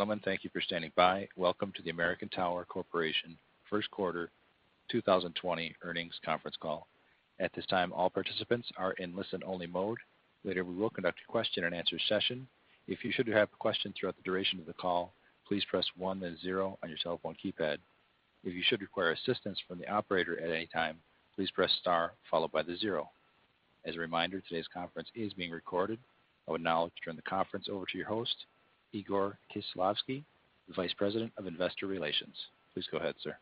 Gentlemen, thank you for standing by. Welcome to the American Tower Corporation first quarter 2020 earnings conference call. At this time, all participants are in listen-only mode. Later, we will conduct a question-and-answer session. If you should have a question throughout the duration of the call, please press one then zero on your telephone keypad. If you should require assistance from the operator at any time, please press star followed by the zero. As a reminder, today's conference is being recorded. I would now like to turn the conference over to your host, Igor Khislavsky, the Vice President of Investor Relations. Please go ahead, sir.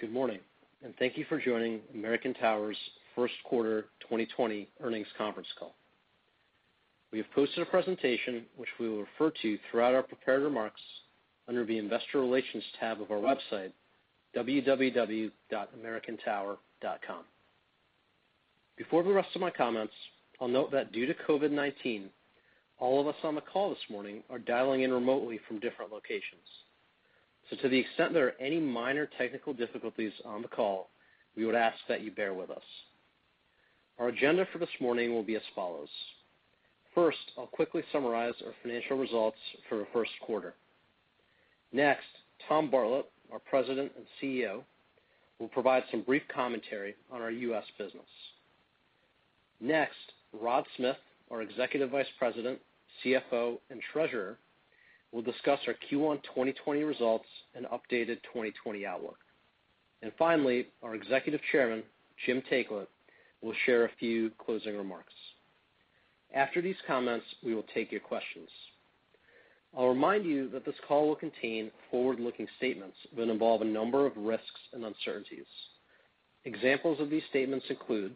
Good morning, and thank you for joining American Tower's first quarter 2020 earnings conference call. We have posted a presentation, which we will refer to throughout our prepared remarks under the Investor Relations tab of our website, www.americantower.com. Before the rest of my comments, I'll note that due to COVID-19, all of us on the call this morning are dialing in remotely from different locations. To the extent there are any minor technical difficulties on the call, we would ask that you bear with us. Our agenda for this morning will be as follows. First, I'll quickly summarize our financial results for the first quarter. Next, Tom Bartlett, our President and CEO, will provide some brief commentary on our U.S. business. Next, Rod Smith, our Executive Vice President, CFO, and Treasurer, will discuss our Q1 2020 results and updated 2020 outlook. Finally, our Executive Chairman, Jim Taiclet, will share a few closing remarks. After these comments, we will take your questions. I'll remind you that this call will contain forward-looking statements that involve a number of risks and uncertainties. Examples of these statements include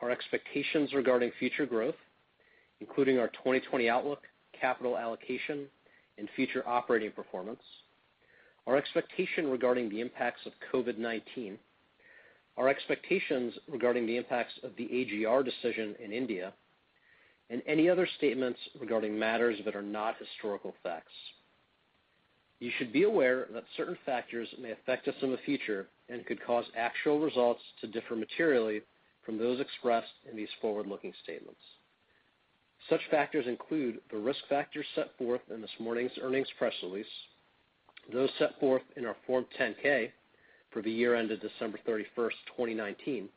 our expectations regarding future growth, including our 2020 outlook, capital allocation, and future operating performance, our expectation regarding the impacts of COVID-19, our expectations regarding the impacts of the AGR decision in India, and any other statements regarding matters that are not historical facts. You should be aware that certain factors may affect us in the future and could cause actual results to differ materially from those expressed in these forward-looking statements. Such factors include the risk factors set forth in this morning's earnings press release, those set forth in our Form 10-K for the year ended December 31st, 2019,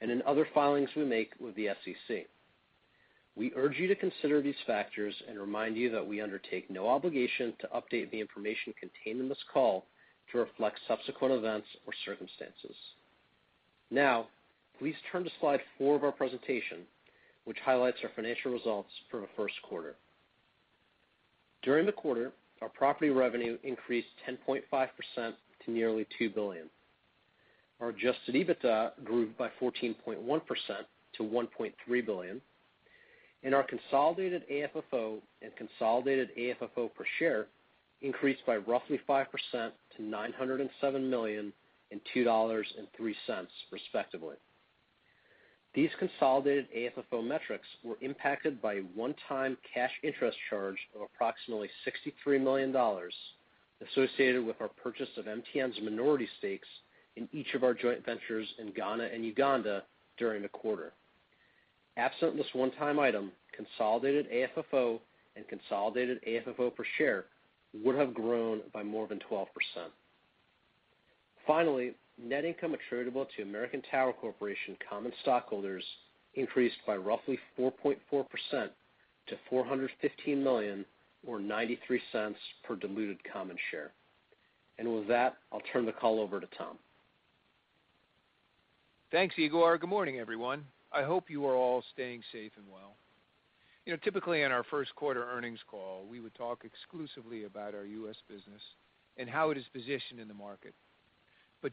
and in other filings we make with the SEC. We urge you to consider these factors and remind you that we undertake no obligation to update the information contained in this call to reflect subsequent events or circumstances. Please turn to slide four of our presentation, which highlights our financial results for the first quarter. During the quarter, our property revenue increased 10.5% to nearly $2 billion. Our adjusted EBITDA grew by 14.1% to $1.3 billion, and our consolidated AFFO and consolidated AFFO per share increased by roughly 5% to $907 million and $2.03 respectively. These consolidated AFFO metrics were impacted by a one-time cash interest charge of approximately $63 million associated with our purchase of MTN's minority stakes in each of our joint ventures in Ghana and Uganda during the quarter. Absent this one-time item, consolidated AFFO and consolidated AFFO per share would have grown by more than 12%. Finally, net income attributable to American Tower Corporation common stockholders increased by roughly 4.4% to $415 million or $0.93 per diluted common share. With that, I'll turn the call over to Tom. Thanks, Igor. Good morning, everyone. I hope you are all staying safe and well. Typically on our first quarter earnings call, we would talk exclusively about our U.S. business and how it is positioned in the market.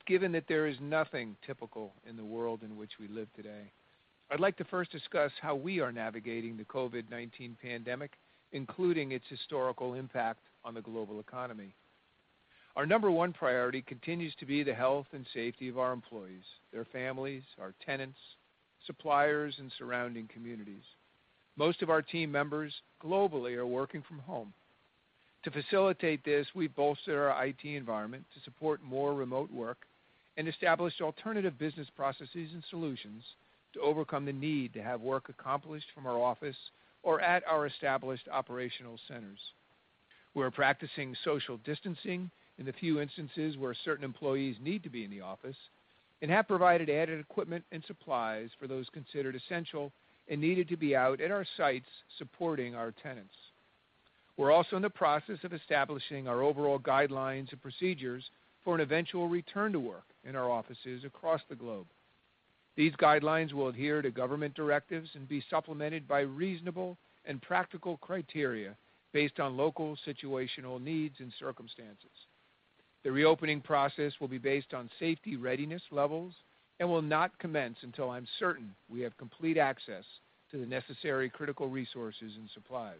Given that there is nothing typical in the world in which we live today, I'd like to first discuss how we are navigating the COVID-19 pandemic, including its historical impact on the global economy. Our number one priority continues to be the health and safety of our employees, their families, our tenants, suppliers, and surrounding communities. Most of our team members globally are working from home. To facilitate this, we bolstered our IT environment to support more remote work and established alternative business processes and solutions to overcome the need to have work accomplished from our office or at our established operational centers. We're practicing social distancing in the few instances where certain employees need to be in the office and have provided added equipment and supplies for those considered essential and needed to be out at our sites supporting our tenants. We're also in the process of establishing our overall guidelines and procedures for an eventual return to work in our offices across the globe. These guidelines will adhere to government directives and be supplemented by reasonable and practical criteria based on local situational needs and circumstances. The reopening process will be based on safety readiness levels and will not commence until I'm certain we have complete access to the necessary critical resources and supplies.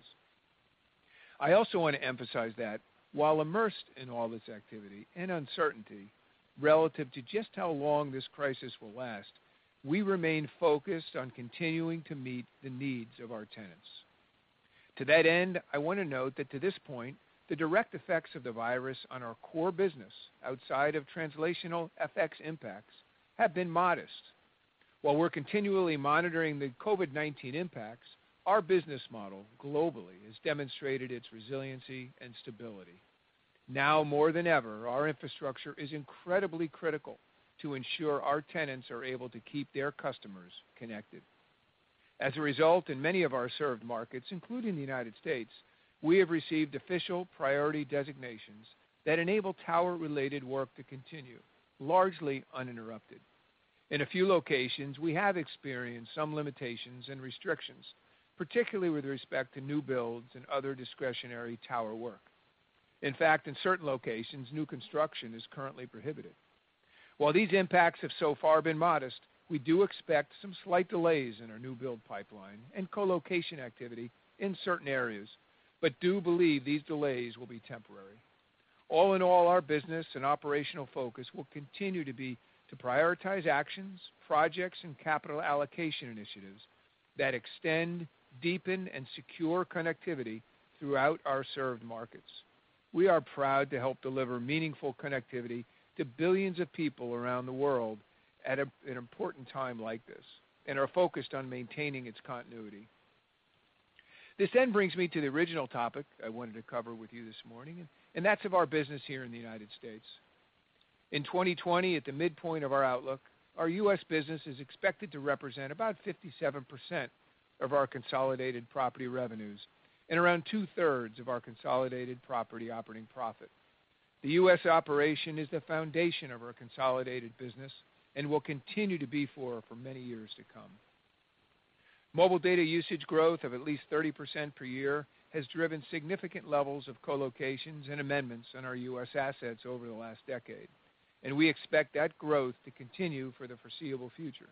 I also want to emphasize that while immersed in all this activity and uncertainty relative to just how long this crisis will last, we remain focused on continuing to meet the needs of our tenants. To that end, I want to note that to this point, the direct effects of the virus on our core business outside of translational FX impacts have been modest. While we're continually monitoring the COVID-19 impacts, our business model globally has demonstrated its resiliency and stability. Now more than ever, our infrastructure is incredibly critical to ensure our tenants are able to keep their customers connected. As a result, in many of our served markets, including the United States, we have received official priority designations that enable tower-related work to continue largely uninterrupted. In a few locations, we have experienced some limitations and restrictions, particularly with respect to new builds and other discretionary tower work. In fact, in certain locations, new construction is currently prohibited. While these impacts have so far been modest, we do expect some slight delays in our new build pipeline and co-location activity in certain areas, do believe these delays will be temporary. All in all, our business and operational focus will continue to be to prioritize actions, projects, and capital allocation initiatives that extend, deepen, and secure connectivity throughout our served markets. We are proud to help deliver meaningful connectivity to billions of people around the world at an important time like this and are focused on maintaining its continuity. This brings me to the original topic I wanted to cover with you this morning, and that's of our business here in the U.S. In 2020, at the midpoint of our outlook, our U.S. business is expected to represent about 57% of our consolidated property revenues and around two-thirds of our consolidated property operating profit. The U.S. operation is the foundation of our consolidated business and will continue to be for many years to come. Mobile data usage growth of at least 30% per year has driven significant levels of co-locations and amendments on our U.S. assets over the last decade, and we expect that growth to continue for the foreseeable future.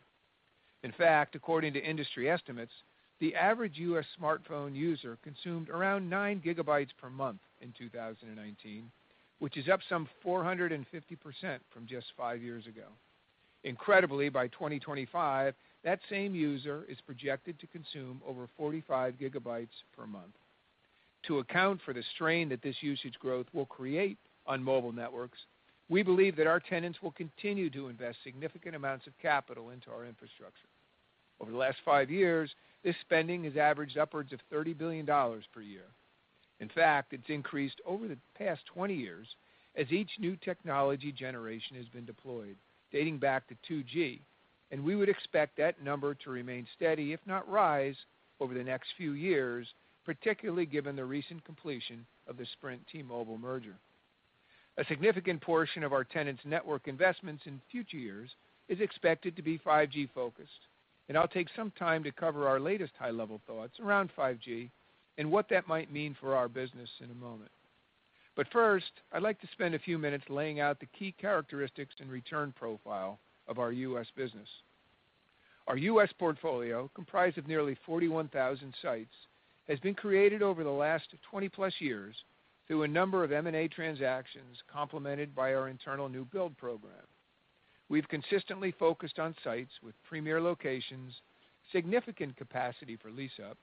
In fact, according to industry estimates, the average U.S. smartphone user consumed around nine gigabytes per month in 2019, which is up some 450% from just five years ago. Incredibly, by 2025, that same user is projected to consume over 45 GB per month. To account for the strain that this usage growth will create on mobile networks, we believe that our tenants will continue to invest significant amounts of capital into our infrastructure. Over the last five years, this spending has averaged upwards of $30 billion per year. In fact, it's increased over the past 20 years as each new technology generation has been deployed dating back to 2G. We would expect that number to remain steady, if not rise over the next few years, particularly given the recent completion of the Sprint T-Mobile merger. A significant portion of our tenants network investments in future years is expected to be 5G-focused. I'll take some time to cover our latest high-level thoughts around 5G and what that might mean for our business in a moment. First, I'd like to spend a few minutes laying out the key characteristics and return profile of our U.S. business. Our U.S. portfolio, comprised of nearly 41,000 sites, has been created over the last 20-plus years through a number of M&A transactions, complemented by our internal new build program. We've consistently focused on sites with premier locations, significant capacity for lease-up,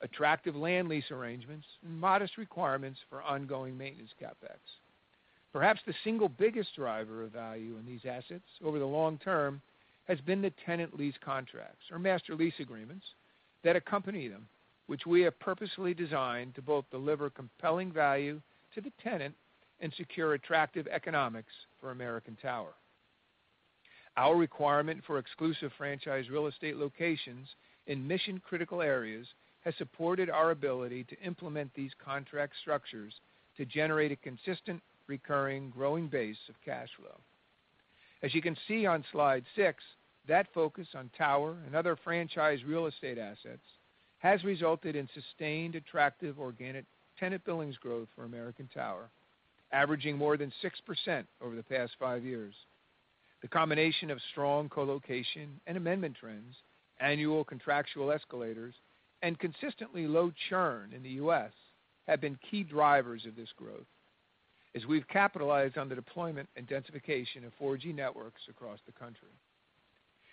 attractive land lease arrangements, and modest requirements for ongoing maintenance CapEx. Perhaps the single biggest driver of value in these assets over the long term has been the tenant lease contracts or master lease agreements that accompany them, which we have purposefully designed to both deliver compelling value to the tenant and secure attractive economics for American Tower. Our requirement for exclusive franchise real estate locations in mission-critical areas has supported our ability to implement these contract structures to generate a consistent, recurring, growing base of cash flow. As you can see on slide six, that focus on tower and other franchise real estate assets has resulted in sustained, attractive organic tenant billings growth for American Tower, averaging more than 6% over the past five years. The combination of strong colocation and amendment trends, annual contractual escalators, and consistently low churn in the U.S. have been key drivers of this growth as we've capitalized on the deployment and densification of 4G networks across the country.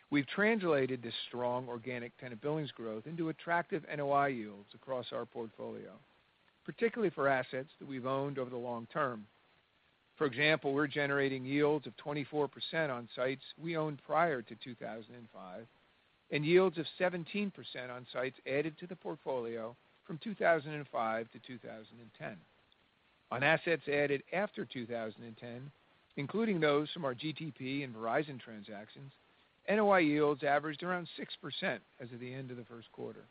We've translated this strong organic tenant billings growth into attractive NOI yields across our portfolio, particularly for assets that we've owned over the long term. For example, we're generating yields of 24% on sites we owned prior to 2005 and yields of 17% on sites added to the portfolio from 2005 to 2010. On assets added after 2010, including those from our GTP and Verizon transactions, NOI yields averaged around 6% as of the end of the first quarter.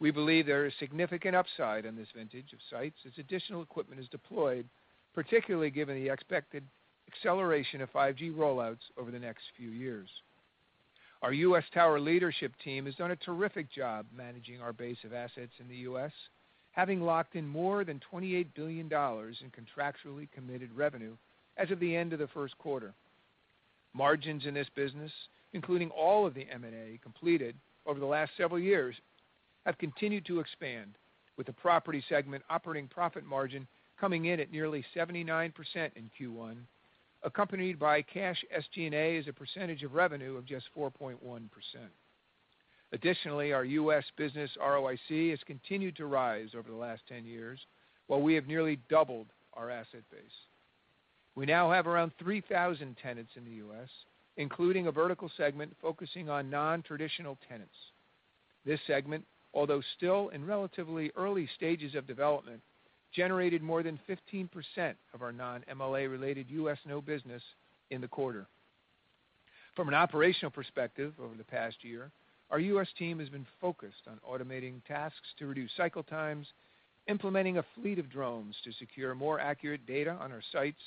We believe there is significant upside on this vintage of sites as additional equipment is deployed, particularly given the expected acceleration of 5G rollouts over the next few years. Our U.S. tower leadership team has done a terrific job managing our base of assets in the U.S., having locked in more than $28 billion in contractually committed revenue as of the end of the first quarter. Margins in this business, including all of the M&A completed over the last several years, have continued to expand, with the property segment operating profit margin coming in at nearly 79% in Q1, accompanied by cash SG&A as a percentage of revenue of just 4.1%. Additionally, our U.S. business ROIC has continued to rise over the last 10 years, while we have nearly doubled our asset base. We now have around 3,000 tenants in the U.S., including a vertical segment focusing on non-traditional tenants. This segment, although still in relatively early stages of development, generated more than 15% of our non-MLA related U.S. NOI business in the quarter. From an operational perspective over the past year, our U.S. team has been focused on automating tasks to reduce cycle times, implementing a fleet of drones to secure more accurate data on our sites,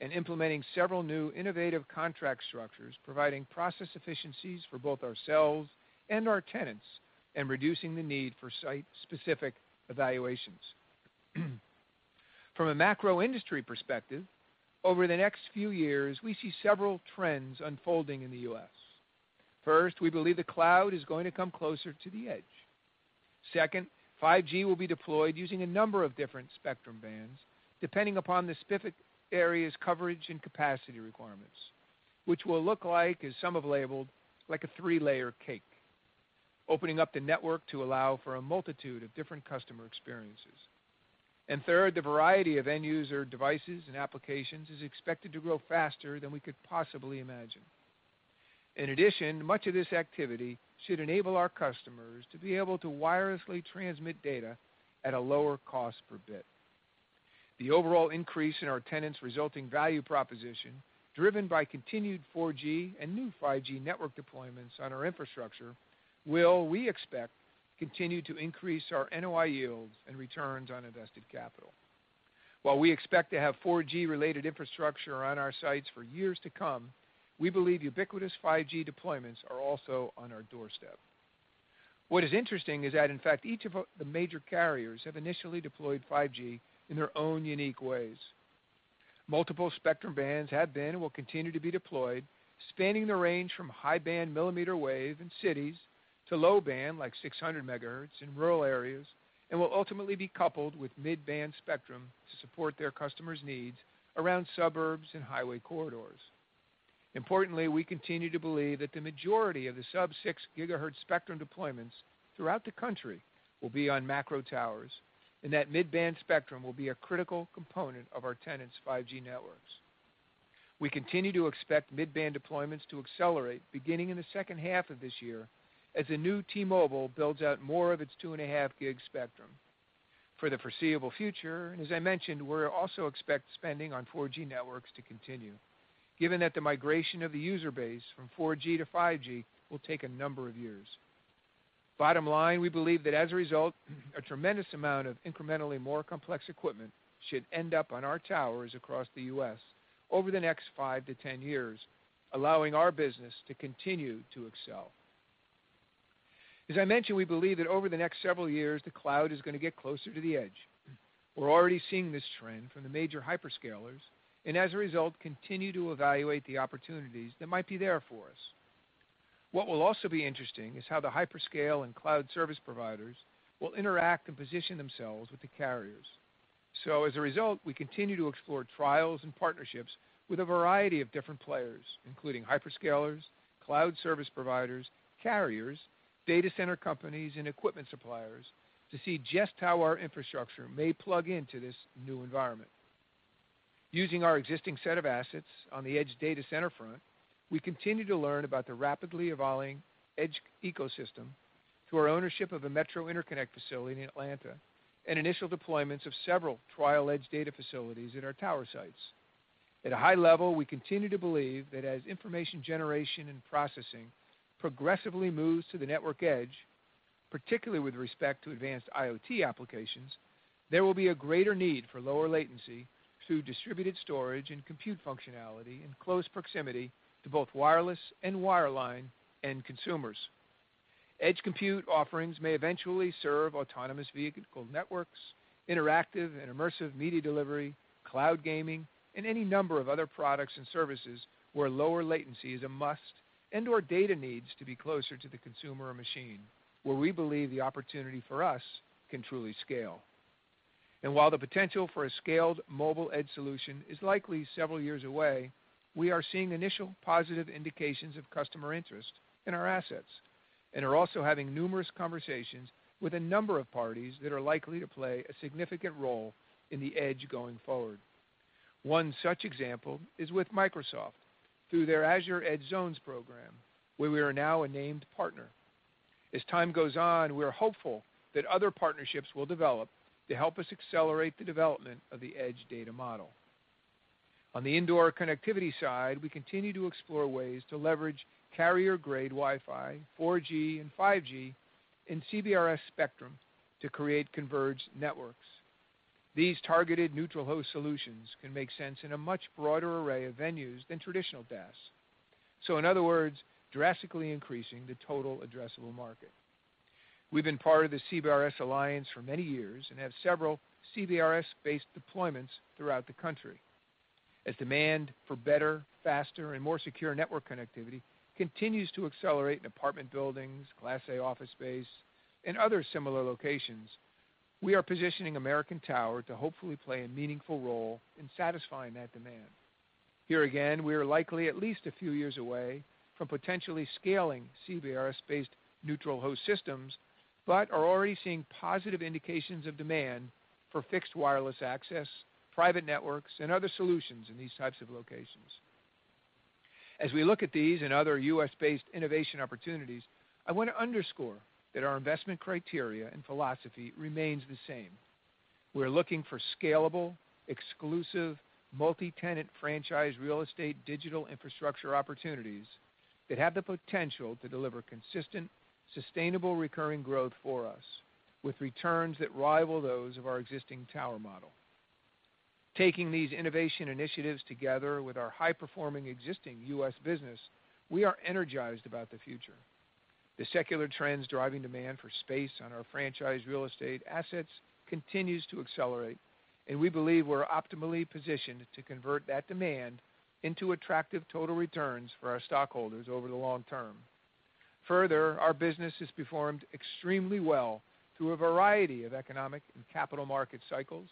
and implementing several new innovative contract structures providing process efficiencies for both ourselves and our tenants, and reducing the need for site-specific evaluations. From a macro industry perspective, over the next few years, we see several trends unfolding in the U.S. First, we believe the cloud is going to come closer to the edge. Second, 5G will be deployed using a number of different spectrum bands depending upon the specific area's coverage and capacity requirements, which will look like, as some have labeled, like a three-layer cake, opening up the network to allow for a multitude of different customer experiences. Third, the variety of end-user devices and applications is expected to grow faster than we could possibly imagine. In addition, much of this activity should enable our customers to be able to wirelessly transmit data at a lower cost per bit. The overall increase in our tenants' resulting value proposition, driven by continued 4G and new 5G network deployments on our infrastructure will, we expect, continue to increase our NOI yields and returns on invested capital. While we expect to have 4G-related infrastructure on our sites for years to come, we believe ubiquitous 5G deployments are also on our doorstep. What is interesting is that, in fact, each of the major carriers have initially deployed 5G in their own unique ways. Multiple spectrum bands have been and will continue to be deployed, spanning the range from high-band millimeter wave in cities to low-band, like 600 MHz, in rural areas, and will ultimately be coupled with mid-band spectrum to support their customers' needs around suburbs and highway corridors. Importantly, we continue to believe that the majority of the sub-6 GHz spectrum deployments throughout the country will be on macro towers, and that mid-band spectrum will be a critical component of our tenants' 5G networks. We continue to expect mid-band deployments to accelerate beginning in the second half of this year as the new T-Mobile builds out more of its two and a half gig spectrum. For the foreseeable future, and as I mentioned, we also expect spending on 4G networks to continue, given that the migration of the user base from 4G to 5G will take a number of years. Bottom line, we believe that as a result, a tremendous amount of incrementally more complex equipment should end up on our towers across the U.S. over the next 5-10 years, allowing our business to continue to excel. As I mentioned, we believe that over the next several years, the cloud is going to get closer to the edge. We're already seeing this trend from the major hyperscalers, and as a result, continue to evaluate the opportunities that might be there for us. What will also be interesting is how the hyperscale and cloud service providers will interact and position themselves with the carriers. As a result, we continue to explore trials and partnerships with a variety of different players, including hyperscalers, cloud service providers, carriers, data center companies, and equipment suppliers to see just how our infrastructure may plug into this new environment. Using our existing set of assets on the edge data center front, we continue to learn about the rapidly evolving edge ecosystem through our ownership of a metro interconnect facility in Atlanta and initial deployments of several trial edge data facilities at our tower sites. At a high level, we continue to believe that as information generation and processing progressively moves to the network edge, particularly with respect to advanced IoT applications, there will be a greater need for lower latency through distributed storage and compute functionality in close proximity to both wireless and wireline end consumers. Edge compute offerings may eventually serve autonomous vehicle networks, interactive and immersive media delivery, cloud gaming, and any number of other products and services where lower latency is a must and/or data needs to be closer to the consumer or machine, where we believe the opportunity for us can truly scale. While the potential for a scaled mobile edge solution is likely several years away, we are seeing initial positive indications of customer interest in our assets and are also having numerous conversations with a number of parties that are likely to play a significant role in the edge going forward. One such example is with Microsoft through their Azure Edge Zones program, where we are now a named partner. As time goes on, we are hopeful that other partnerships will develop to help us accelerate the development of the edge data model. On the indoor connectivity side, we continue to explore ways to leverage carrier-grade Wi-Fi, 4G, and 5G in CBRS spectrum to create converged networks. These targeted neutral host solutions can make sense in a much broader array of venues than traditional DAS. In other words, drastically increasing the total addressable market. We've been part of the CBRS Alliance for many years and have several CBRS-based deployments throughout the country. As demand for better, faster, and more secure network connectivity continues to accelerate in apartment buildings, class A office space, and other similar locations, we are positioning American Tower to hopefully play a meaningful role in satisfying that demand. Here again, we are likely at least a few years away from potentially scaling CBRS-based neutral host systems, but are already seeing positive indications of demand for fixed wireless access, private networks, and other solutions in these types of locations. As we look at these and other U.S.-based innovation opportunities, I want to underscore that our investment criteria and philosophy remains the same. We're looking for scalable, exclusive, multi-tenant franchise real estate digital infrastructure opportunities that have the potential to deliver consistent, sustainable, recurring growth for us with returns that rival those of our existing tower model. Taking these innovation initiatives together with our high-performing existing U.S. business, we are energized about the future. The secular trends driving demand for space on our franchise real estate assets continues to accelerate, we believe we're optimally positioned to convert that demand into attractive total returns for our stockholders over the long term. Further, our business has performed extremely well through a variety of economic and capital market cycles,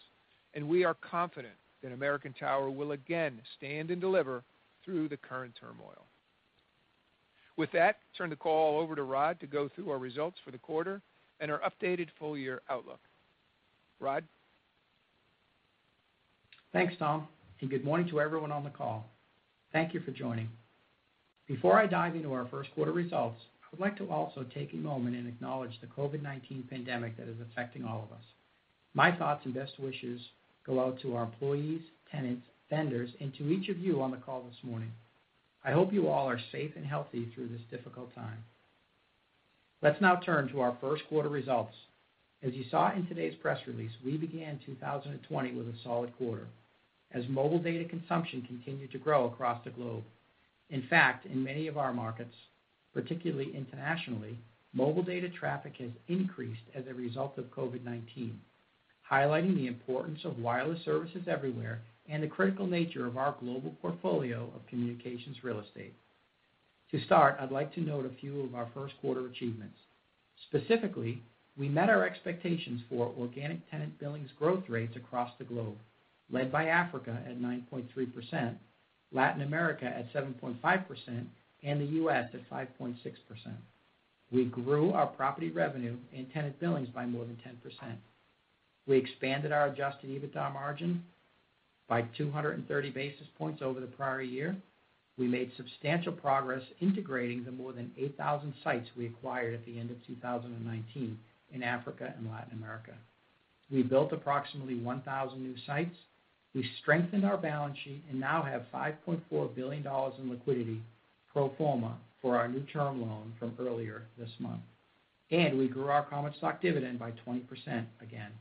we are confident that American Tower will again Stand and Deliver through the current turmoil. With that, turn the call over to Rod to go through our results for the quarter and our updated full-year outlook. Rod? Thanks, Tom. Good morning to everyone on the call. Thank you for joining. Before I dive into our first quarter results, I would like to also take a moment and acknowledge the COVID-19 pandemic that is affecting all of us. My thoughts and best wishes go out to our employees, tenants, vendors, and to each of you on the call this morning. I hope you all are safe and healthy through this difficult time. Let's now turn to our first quarter results. As you saw in today's press release, we began 2020 with a solid quarter as mobile data consumption continued to grow across the globe. In fact, in many of our markets, particularly internationally, mobile data traffic has increased as a result of COVID-19, highlighting the importance of wireless services everywhere and the critical nature of our global portfolio of communications real estate. To start, I'd like to note a few of our first quarter achievements. Specifically, we met our expectations for organic tenant billings growth rates across the globe, led by Africa at 9.3%, Latin America at 7.5%, and the U.S. at 5.6%. We grew our property revenue and tenant billings by more than 10%. We expanded our adjusted EBITDA margin by 230 basis points over the prior year. We made substantial progress integrating the more than 8,000 sites we acquired at the end of 2019 in Africa and Latin America. We built approximately 1,000 new sites. We strengthened our balance sheet and now have $5.4 billion in liquidity pro forma for our new term loan from earlier this month. We grew our common stock dividend by 20% again.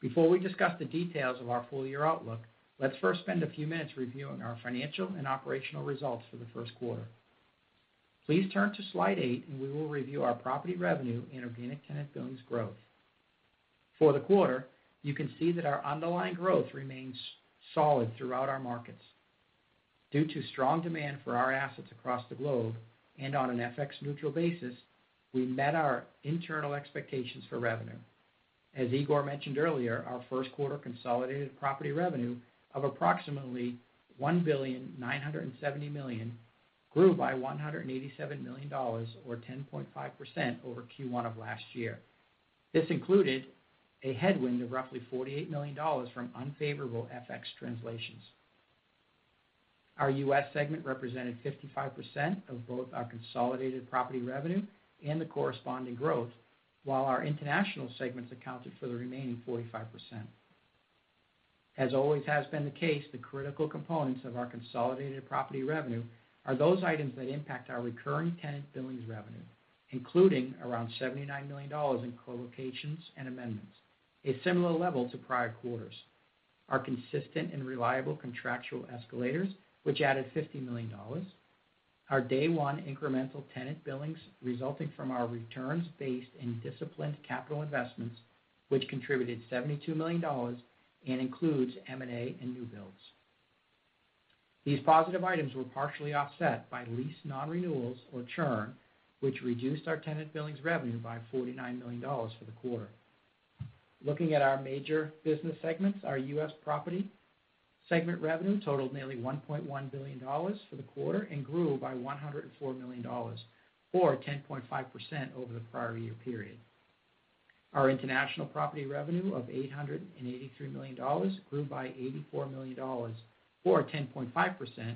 Before we discuss the details of our full-year outlook, let's first spend a few minutes reviewing our financial and operational results for the first quarter. Please turn to slide eight. We will review our property revenue and organic tenant billings growth. For the quarter, you can see that our underlying growth remains solid throughout our markets. Due to strong demand for our assets across the globe and on an FX neutral basis, we met our internal expectations for revenue. As Igor mentioned earlier, our first quarter consolidated property revenue of approximately $1,970,000,000 grew by $187 million, or 10.5% over Q1 of last year. This included a headwind of roughly $48 million from unfavorable FX translations. Our U.S. segment represented 55% of both our consolidated property revenue and the corresponding growth, while our international segments accounted for the remaining 45%. As always has been the case, the critical components of our consolidated property revenue are those items that impact our recurring tenant billings revenue, including around $79 million in co-locations and amendments, a similar level to prior quarters, our consistent and reliable contractual escalators, which added $50 million, our day one incremental tenant billings resulting from our returns based in disciplined capital investments, which contributed $72 million and includes M&A and new builds. These positive items were partially offset by lease non-renewals or churn, which reduced our tenant billings revenue by $49 million for the quarter. Looking at our major business segments, our U.S. property segment revenue totaled nearly $1.1 billion for the quarter and grew by $104 million, or 10.5% over the prior year period. Our international property revenue of $883 million grew by $84 million, or 10.5%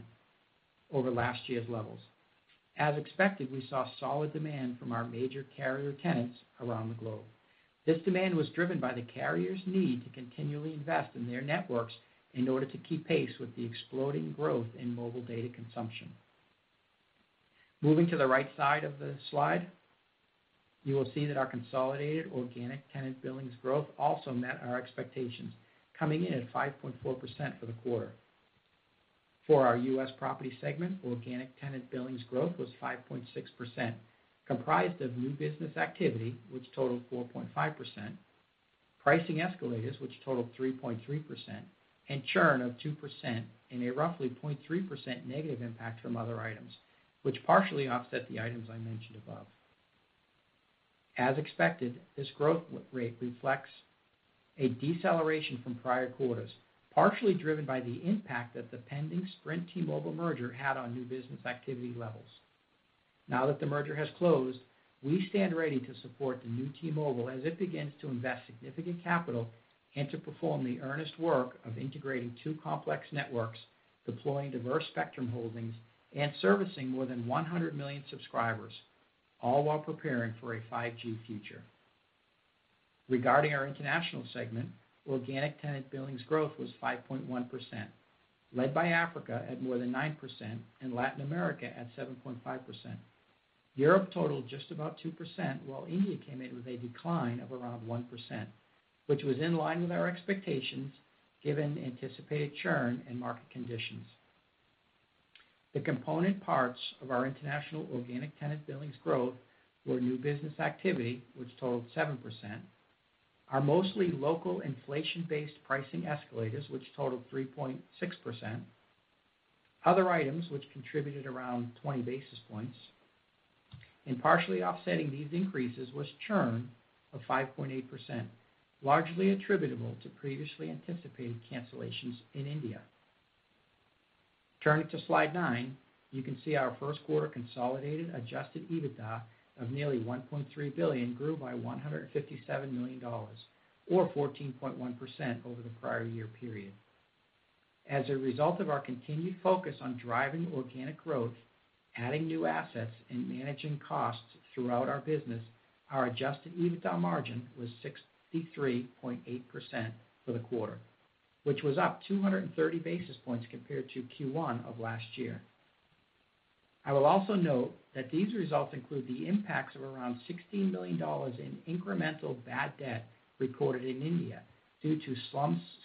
over last year's levels. As expected, we saw solid demand from our major carrier tenants around the globe. This demand was driven by the carriers' need to continually invest in their networks in order to keep pace with the exploding growth in mobile data consumption. Moving to the right side of the slide, you will see that our consolidated organic tenant billings growth also met our expectations, coming in at 5.4% for the quarter. For our U.S. property segment, organic tenant billings growth was 5.6%, comprised of new business activity, which totaled 4.5%, pricing escalators, which totaled 3.3%, and churn of 2% in a roughly 0.3% negative impact from other items, which partially offset the items I mentioned above. As expected, this growth rate reflects a deceleration from prior quarters, partially driven by the impact that the pending Sprint T-Mobile merger had on new business activity levels. Now that the merger has closed, we stand ready to support the new T-Mobile as it begins to invest significant capital and to perform the earnest work of integrating two complex networks, deploying diverse spectrum holdings, and servicing more than 100 million subscribers, all while preparing for a 5G future. Regarding our international segment, organic tenant billings growth was 5.1%, led by Africa at more than 9% and Latin America at 7.5%. Europe totaled just about 2%, while India came in with a decline of around 1%, which was in line with our expectations given the anticipated churn in market conditions. The component parts of our international organic tenant billings growth were new business activity, which totaled 7%, our mostly local inflation-based pricing escalators, which totaled 3.6%, other items, which contributed around 20 basis points. Partially offsetting these increases was churn of 5.8%, largely attributable to previously anticipated cancellations in India. Turning to slide nine, you can see our first quarter consolidated adjusted EBITDA of nearly $1.3 billion grew by $157 million, or 14.1% over the prior year period. As a result of our continued focus on driving organic growth, adding new assets, and managing costs throughout our business, our adjusted EBITDA margin was 63.8% for the quarter, which was up 230 basis points compared to Q1 of last year. I will also note that these results include the impacts of around $16 million in incremental bad debt recorded in India due to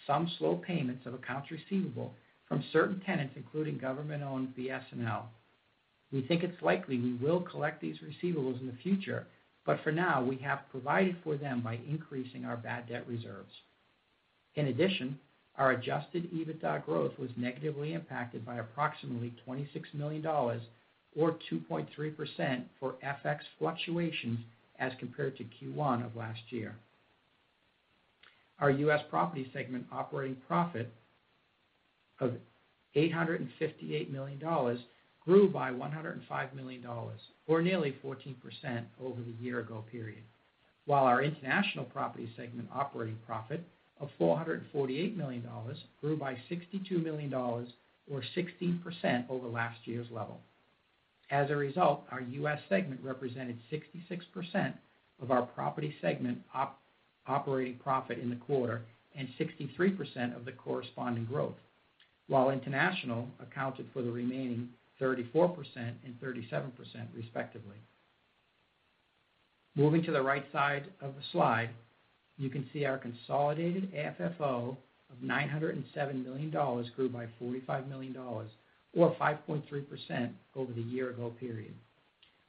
some slow payments of accounts receivable from certain tenants, including government-owned BSNL. We think it's likely we will collect these receivables in the future, but for now, we have provided for them by increasing our bad debt reserves. In addition, our adjusted EBITDA growth was negatively impacted by approximately $26 million, or 2.3%, for FX fluctuations as compared to Q1 of last year. Our U.S. property segment operating profit of $858 million grew by $105 million, or nearly 14%, over the year-ago period, while our international property segment operating profit of $448 million grew by $62 million, or 16%, over last year's level. As a result, our U.S. segment represented 66% of our property segment operating profit in the quarter and 63% of the corresponding growth, while international accounted for the remaining 34% and 37%, respectively. Moving to the right side of the slide, you can see our consolidated AFFO of $907 million grew by $45 million, or 5.3%, over the year-ago period.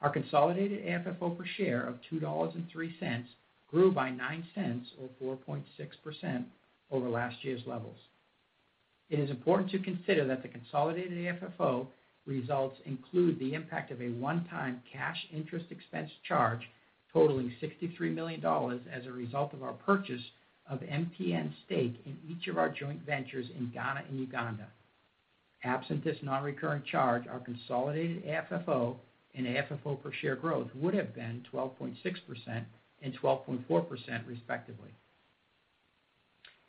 Our consolidated AFFO per share of $2.03 grew by $0.09, or 4.6%, over last year's levels. It is important to consider that the consolidated AFFO results include the impact of a one-time cash interest expense charge totaling $63 million as a result of our purchase of MTN's stake in each of our joint ventures in Ghana and Uganda. Absent this non-recurrent charge, our consolidated AFFO and FFO per share growth would've been 12.6% and 12.4%, respectively.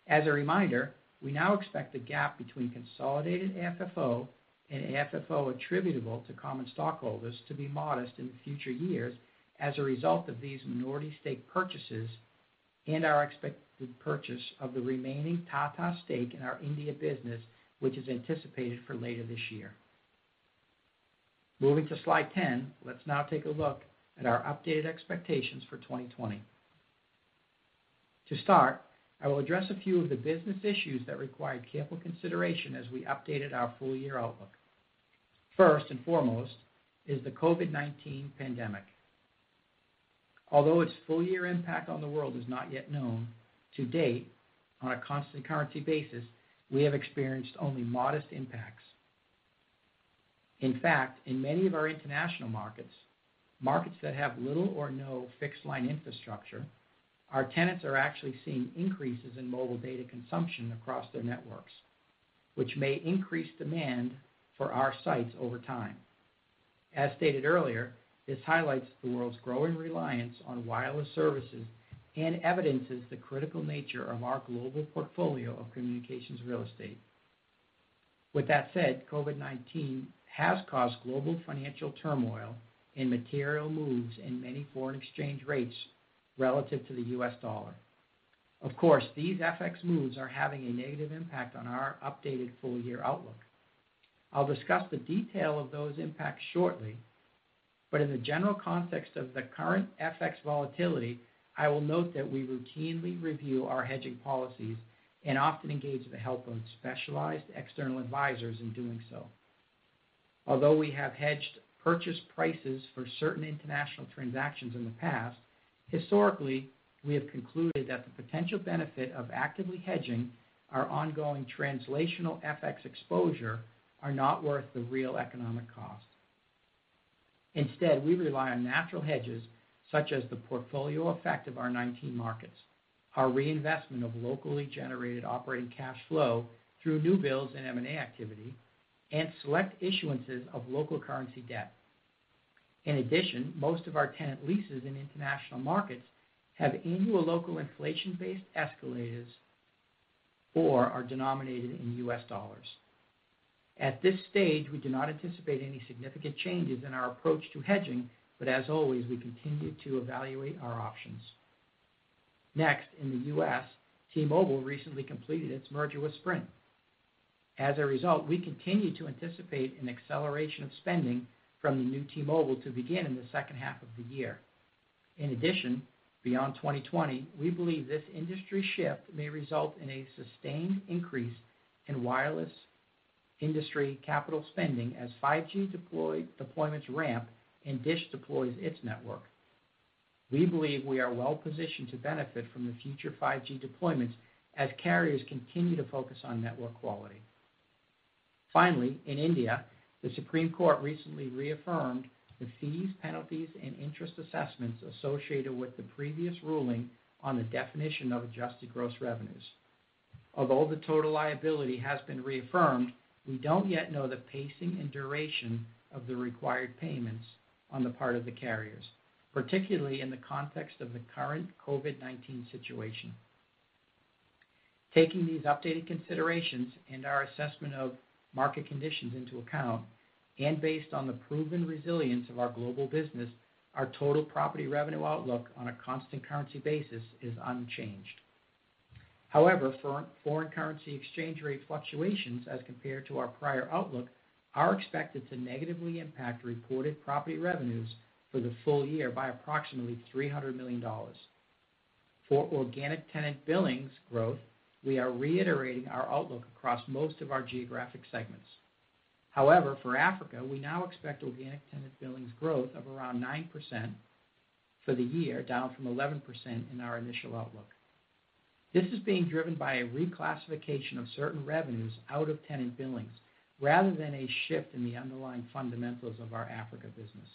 As a reminder, we now expect the gap between consolidated AFFO and FFO attributable to common stockholders to be modest in future years as a result of these minority stake purchases and our expected purchase of the remaining Tata stake in our India business, which is anticipated for later this year. Moving to slide 10, let's now take a look at our updated expectations for 2020. To start, I will address a few of the business issues that required careful consideration as we updated our full-year outlook. First and foremost is the COVID-19 pandemic. Although its full-year impact on the world is not yet known, to date, on a constant currency basis, we have experienced only modest impacts. In fact, in many of our international markets that have little or no fixed line infrastructure, our tenants are actually seeing increases in mobile data consumption across their networks, which may increase demand for our sites over time. As stated earlier, this highlights the world's growing reliance on wireless services and evidences the critical nature of our global portfolio of communications real estate. With that said, COVID-19 has caused global financial turmoil and material moves in many foreign exchange rates relative to the U.S. dollar. Of course, these FX moves are having a negative impact on our updated full-year outlook. I'll discuss the detail of those impacts shortly, but in the general context of the current FX volatility, I will note that we routinely review our hedging policies and often engage the help of specialized external advisors in doing so. Although we have hedged purchase prices for certain international transactions in the past, historically, we have concluded that the potential benefit of actively hedging our ongoing translational FX exposure are not worth the real economic cost. Instead, we rely on natural hedges, such as the portfolio effect of our 19 markets, our reinvestment of locally generated operating cash flow through new builds and M&A activity, and select issuances of local currency debt. In addition, most of our tenant leases in international markets have annual local inflation-based escalators or are denominated in U.S. dollars. At this stage, we do not anticipate any significant changes in our approach to hedging, but as always, we continue to evaluate our options. Next, in the U.S., T-Mobile recently completed its merger with Sprint. As a result, we continue to anticipate an acceleration of spending from the new T-Mobile to begin in the second half of the year. In addition, beyond 2020, we believe this industry shift may result in a sustained increase in wireless industry capital spending as 5G deployments ramp and DISH deploys its network. We believe we are well-positioned to benefit from the future 5G deployments as carriers continue to focus on network quality. Finally, in India, the Supreme Court recently reaffirmed the fees, penalties, and interest assessments associated with the previous ruling on the definition of adjusted gross revenues. Although the total liability has been reaffirmed, we don't yet know the pacing and duration of the required payments on the part of the carriers, particularly in the context of the current COVID-19 situation. Taking these updated considerations and our assessment of market conditions into account, and based on the proven resilience of our global business, our total property revenue outlook on a constant currency basis is unchanged. However, foreign currency exchange rate fluctuations as compared to our prior outlook are expected to negatively impact reported property revenues for the full year by approximately $300 million. For organic tenant billings growth, we are reiterating our outlook across most of our geographic segments. However, for Africa, we now expect organic tenant billings growth of around 9% for the year, down from 11% in our initial outlook. This is being driven by a reclassification of certain revenues out of tenant billings, rather than a shift in the underlying fundamentals of our Africa business.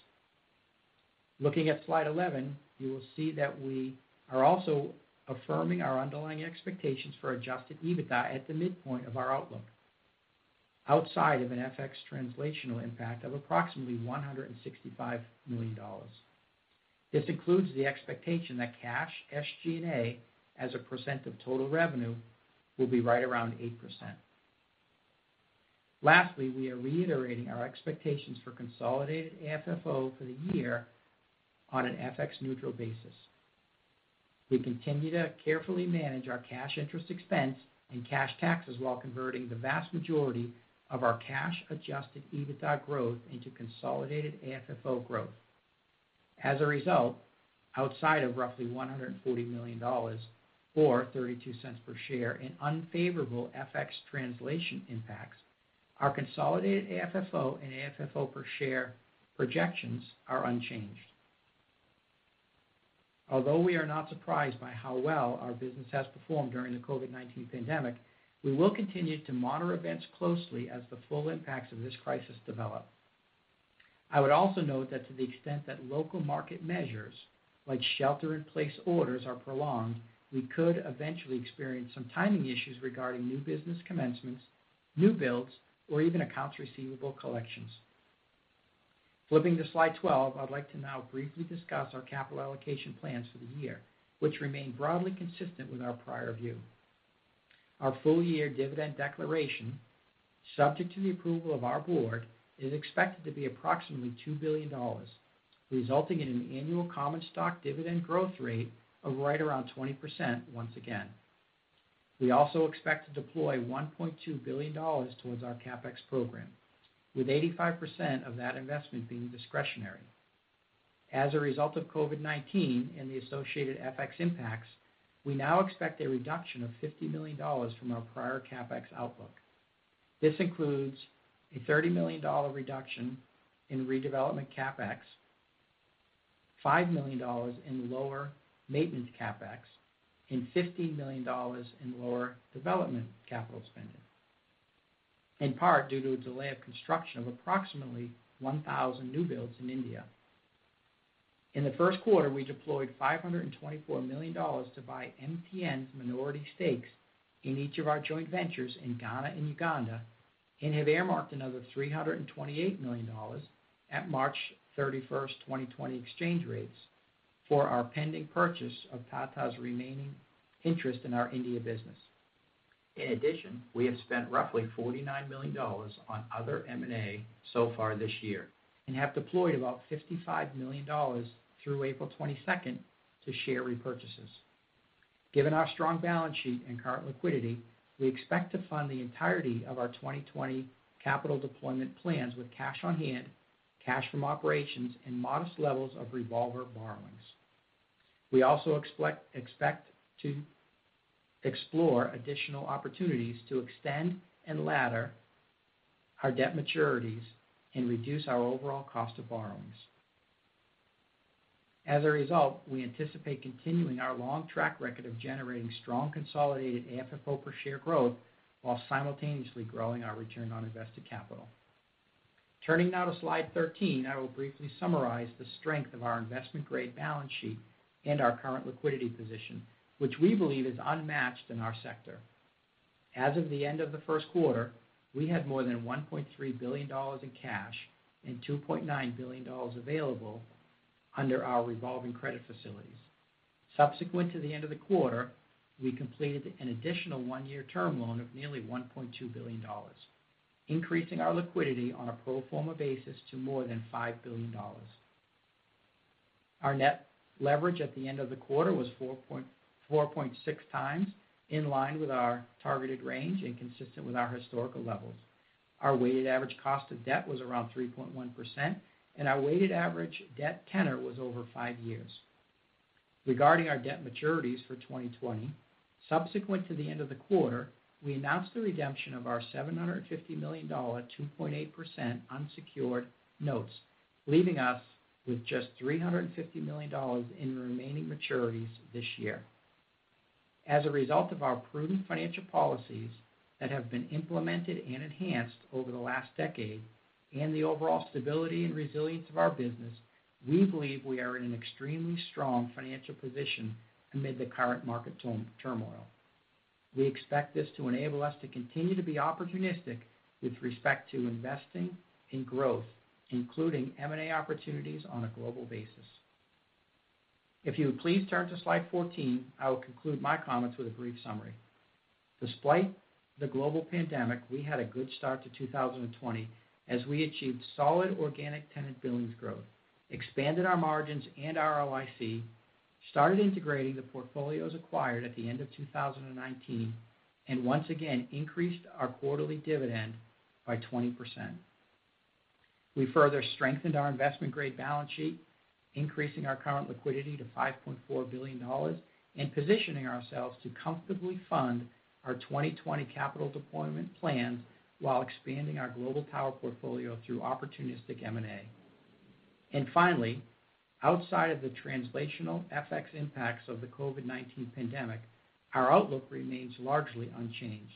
Looking at slide 11, you will see that we are also affirming our underlying expectations for adjusted EBITDA at the midpoint of our outlook, outside of an FX translational impact of approximately $165 million. This includes the expectation that cash SG&A as a percent of total revenue will be right around 8%. Lastly, we are reiterating our expectations for consolidated AFFO for the year on an FX neutral basis. We continue to carefully manage our cash interest expense and cash taxes while converting the vast majority of our cash-adjusted EBITDA growth into consolidated AFFO growth. As a result, outside of roughly $140 million, or $0.32 per share in unfavorable FX translation impacts, our consolidated AFFO and AFFO per share projections are unchanged. Although we are not surprised by how well our business has performed during the COVID-19 pandemic, we will continue to monitor events closely as the full impacts of this crisis develop. I would also note that to the extent that local market measures like shelter in place orders are prolonged, we could eventually experience some timing issues regarding new business commencements, new builds, or even accounts receivable collections. Flipping to slide 12, I'd like to now briefly discuss our capital allocation plans for the year, which remain broadly consistent with our prior view. Our full-year dividend declaration, subject to the approval of our board, is expected to be approximately $2 billion, resulting in an annual common stock dividend growth rate of right around 20% once again. We also expect to deploy $1.2 billion towards our CapEx program, with 85% of that investment being discretionary. As a result of COVID-19 and the associated FX impacts, we now expect a reduction of $50 million from our prior CapEx outlook. This includes a $30 million reduction in redevelopment CapEx, $5 million in lower maintenance CapEx, and $15 million in lower development capital spending, in part due to a delay of construction of approximately 1,000 new builds in India. In the first quarter, we deployed $524 million to buy MTN's minority stakes in each of our joint ventures in Ghana and Uganda, and have earmarked another $328 million at March 31st, 2020 exchange rates for our pending purchase of Tata's remaining interest in our India business. In addition, we have spent roughly $49 million on other M&A so far this year and have deployed about $55 million through April 22nd to share repurchases. Given our strong balance sheet and current liquidity, we expect to fund the entirety of our 2020 capital deployment plans with cash on hand, cash from operations, and modest levels of revolver borrowings. We also expect to explore additional opportunities to extend and ladder our debt maturities and reduce our overall cost of borrowings. As a result, we anticipate continuing our long track record of generating strong consolidated AFFO per share growth, while simultaneously growing our return on invested capital. Turning now to slide 13, I will briefly summarize the strength of our investment-grade balance sheet and our current liquidity position, which we believe is unmatched in our sector. As of the end of the first quarter, we had more than $1.3 billion in cash and $2.9 billion available under our revolving credit facilities. Subsequent to the end of the quarter, we completed an additional one-year term loan of nearly $1.2 billion, increasing our liquidity on a pro forma basis to more than $5 billion. Our net leverage at the end of the quarter was 4.6x, in line with our targeted range and consistent with our historical levels. Our weighted average cost of debt was around 3.1%, and our weighted average debt tenor was over five years. Regarding our debt maturities for 2020, subsequent to the end of the quarter, we announced the redemption of our $750 million, 2.8% unsecured notes, leaving us with just $350 million in remaining maturities this year. As a result of our prudent financial policies that have been implemented and enhanced over the last decade, and the overall stability and resilience of our business, we believe we are in an extremely strong financial position amid the current market turmoil. We expect this to enable us to continue to be opportunistic with respect to investing in growth, including M&A opportunities on a global basis. If you would please turn to slide 14, I will conclude my comments with a brief summary. Despite the global pandemic, we had a good start to 2020 as we achieved solid organic tenant billings growth, expanded our margins and ROIC, started integrating the portfolios acquired at the end of 2019, and once again increased our quarterly dividend by 20%. We further strengthened our investment-grade balance sheet, increasing our current liquidity to $5.4 billion and positioning ourselves to comfortably fund our 2020 capital deployment plans while expanding our global tower portfolio through opportunistic M&A. Finally, outside of the translational FX impacts of the COVID-19 pandemic, our outlook remains largely unchanged,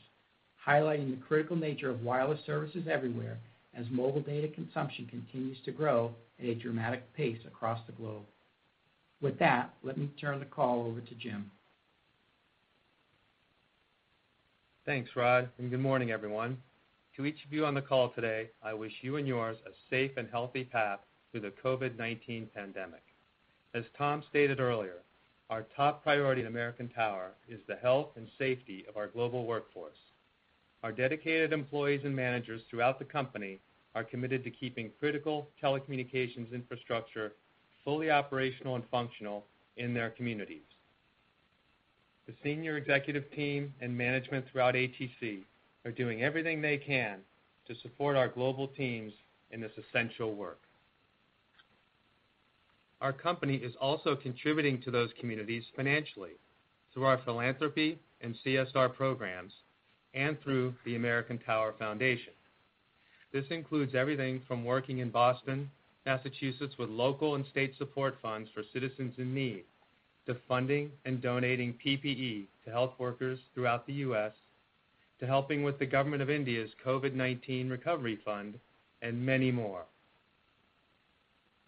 highlighting the critical nature of wireless services everywhere as mobile data consumption continues to grow at a dramatic pace across the globe. With that, let me turn the call over to Jim. Thanks, Rod. Good morning, everyone. To each of you on the call today, I wish you and yours a safe and healthy path through the COVID-19 pandemic. As Tom stated earlier, our top priority at American Tower is the health and safety of our global workforce. Our dedicated employees and managers throughout the company are committed to keeping critical telecommunications infrastructure fully operational and functional in their communities. The senior executive team and management throughout ATC are doing everything they can to support our global teams in this essential work. Our company is also contributing to those communities financially through our philanthropy and CSR programs and through the American Tower Foundation. This includes everything from working in Boston, Massachusetts, with local and state support funds for citizens in need, to funding and donating PPE to health workers throughout the U.S., to helping with the Government of India's COVID-19 recovery fund, and many more.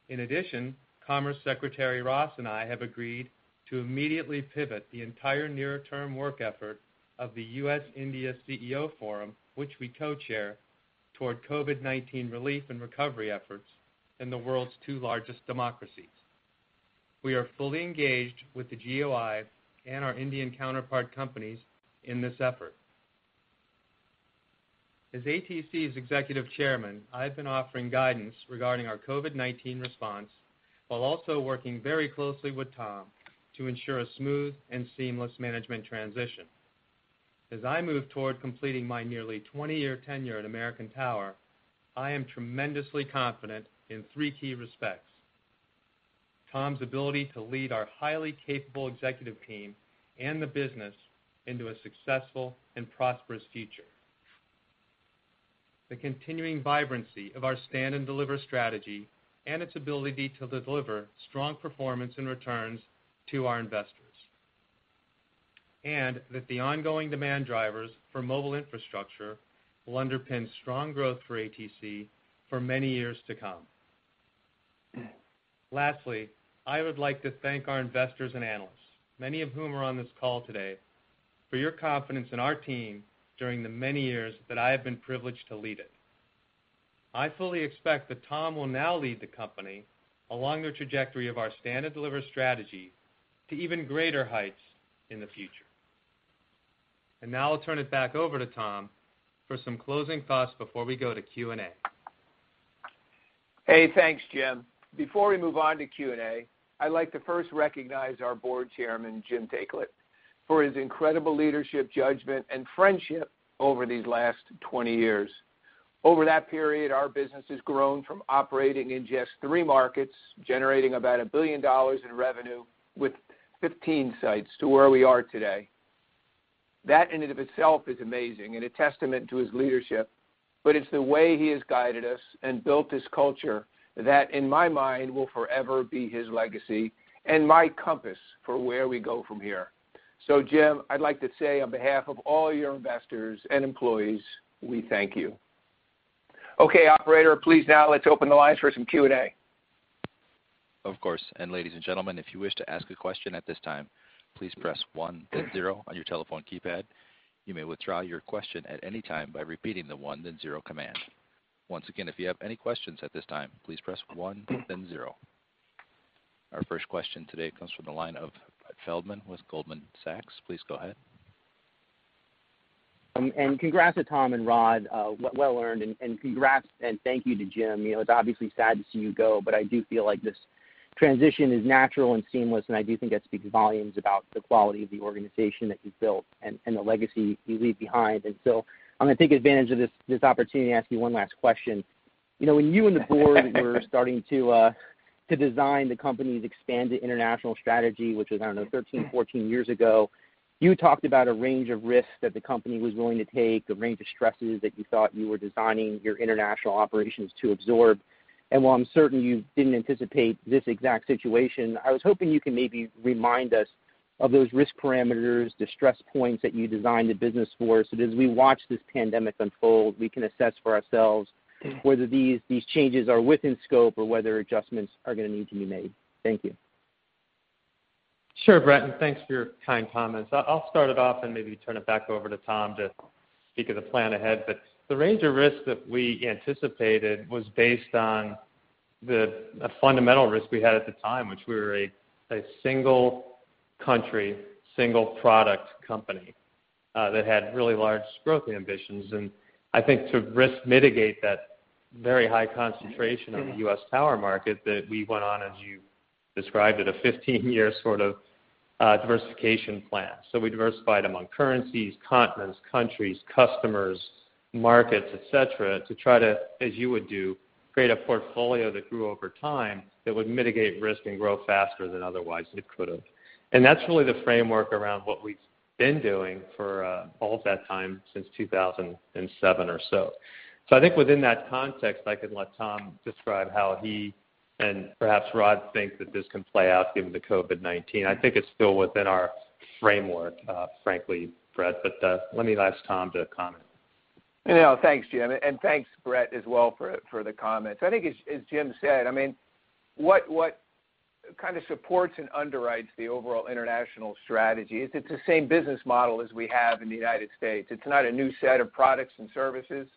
In addition, Commerce Secretary Ross and I have agreed to immediately pivot the entire near-term work effort of the U.S.-India CEO Forum, which we co-chair, toward COVID-19 relief and recovery efforts in the world's two largest democracies. We are fully engaged with the GOI and our Indian counterpart companies in this effort. As ATC's Executive Chairman, I've been offering guidance regarding our COVID-19 response, while also working very closely with Tom to ensure a smooth and seamless management transition. As I move toward completing my nearly 20-year tenure at American Tower, I am tremendously confident in three key respects: Tom's ability to lead our highly capable executive team and the business into a successful and prosperous future, the continuing vibrancy of our Stand and Deliver strategy and its ability to deliver strong performance and returns to our investors, and that the ongoing demand drivers for mobile infrastructure will underpin strong growth for ATC for many years to come. Lastly, I would like to thank our investors and analysts, many of whom are on this call today, for your confidence in our team during the many years that I have been privileged to lead it. I fully expect that Tom will now lead the company along the trajectory of our Stand and Deliver strategy to even greater heights in the future. Now I'll turn it back over to Tom for some closing thoughts before we go to Q&A. Hey, thanks, Jim. Before we move on to Q&A, I'd like to first recognize our Board Chairman, Jim Taiclet, for his incredible leadership, judgment, and friendship over these last 20 years. Over that period, our business has grown from operating in just three markets, generating about $1 billion in revenue with 15 sites, to where we are today. That in and of itself is amazing and a testament to his leadership. But it's the way he has guided us and built this culture that, in my mind, will forever be his legacy and my compass for where we go from here. Jim, I'd like to say on behalf of all your investors and employees, we thank you. Operator, please now let's open the lines for some Q&A. Of course. Ladies and gentlemen, if you wish to ask a question at this time, please press one then zero on your telephone keypad. You may withdraw your question at any time by repeating the one then zero command. Once again, if you have any questions at this time, please press one then zero. Our first question today comes from the line of Brett Feldman with Goldman Sachs. Please go ahead. Congrats to Tom and Rod. Well earned. Congrats and thank you to Jim. It's obviously sad to see you go, but I do feel like this transition is natural and seamless, and I do think that speaks volumes about the quality of the organization that you've built and the legacy you leave behind. I'm going to take advantage of this opportunity to ask you one last question. When you and the board were starting to design the company's expanded international strategy, which was, I don't know, 13, 14 years ago, you talked about a range of risks that the company was willing to take, a range of stresses that you thought you were designing your international operations to absorb. While I'm certain you didn't anticipate this exact situation, I was hoping you can maybe remind us of those risk parameters, the stress points that you designed the business for, so that as we watch this pandemic unfold, we can assess for ourselves whether these changes are within scope or whether adjustments are going to need to be made. Thank you. Sure, Brett, thanks for your kind comments. I'll start it off and maybe turn it back over to Tom to speak of the plan ahead. The range of risks that we anticipated was based on the fundamental risk we had at the time, which we were a single country, single product company, that had really large growth ambitions. I think to risk mitigate that very high concentration in the U.S. tower market that we went on, as you described it, a 15-year sort of diversification plan. We diversified among currencies, continents, countries, customers, markets, et cetera, to try to, as you would do, create a portfolio that grew over time that would mitigate risk and grow faster than otherwise it could have. That's really the framework around what we've been doing for all of that time since 2007 or so. I think within that context, I can let Tom describe how he and perhaps Rod think that this can play out given the COVID-19. I think it's still within our framework, frankly, Brett, but let me ask Tom to comment. Thanks, Jim. Thanks, Brett, as well for the comments. I think as Jim said, what kind of supports and underwrites the overall international strategy is it's the same business model as we have in the United States. It's not a new set of products and services.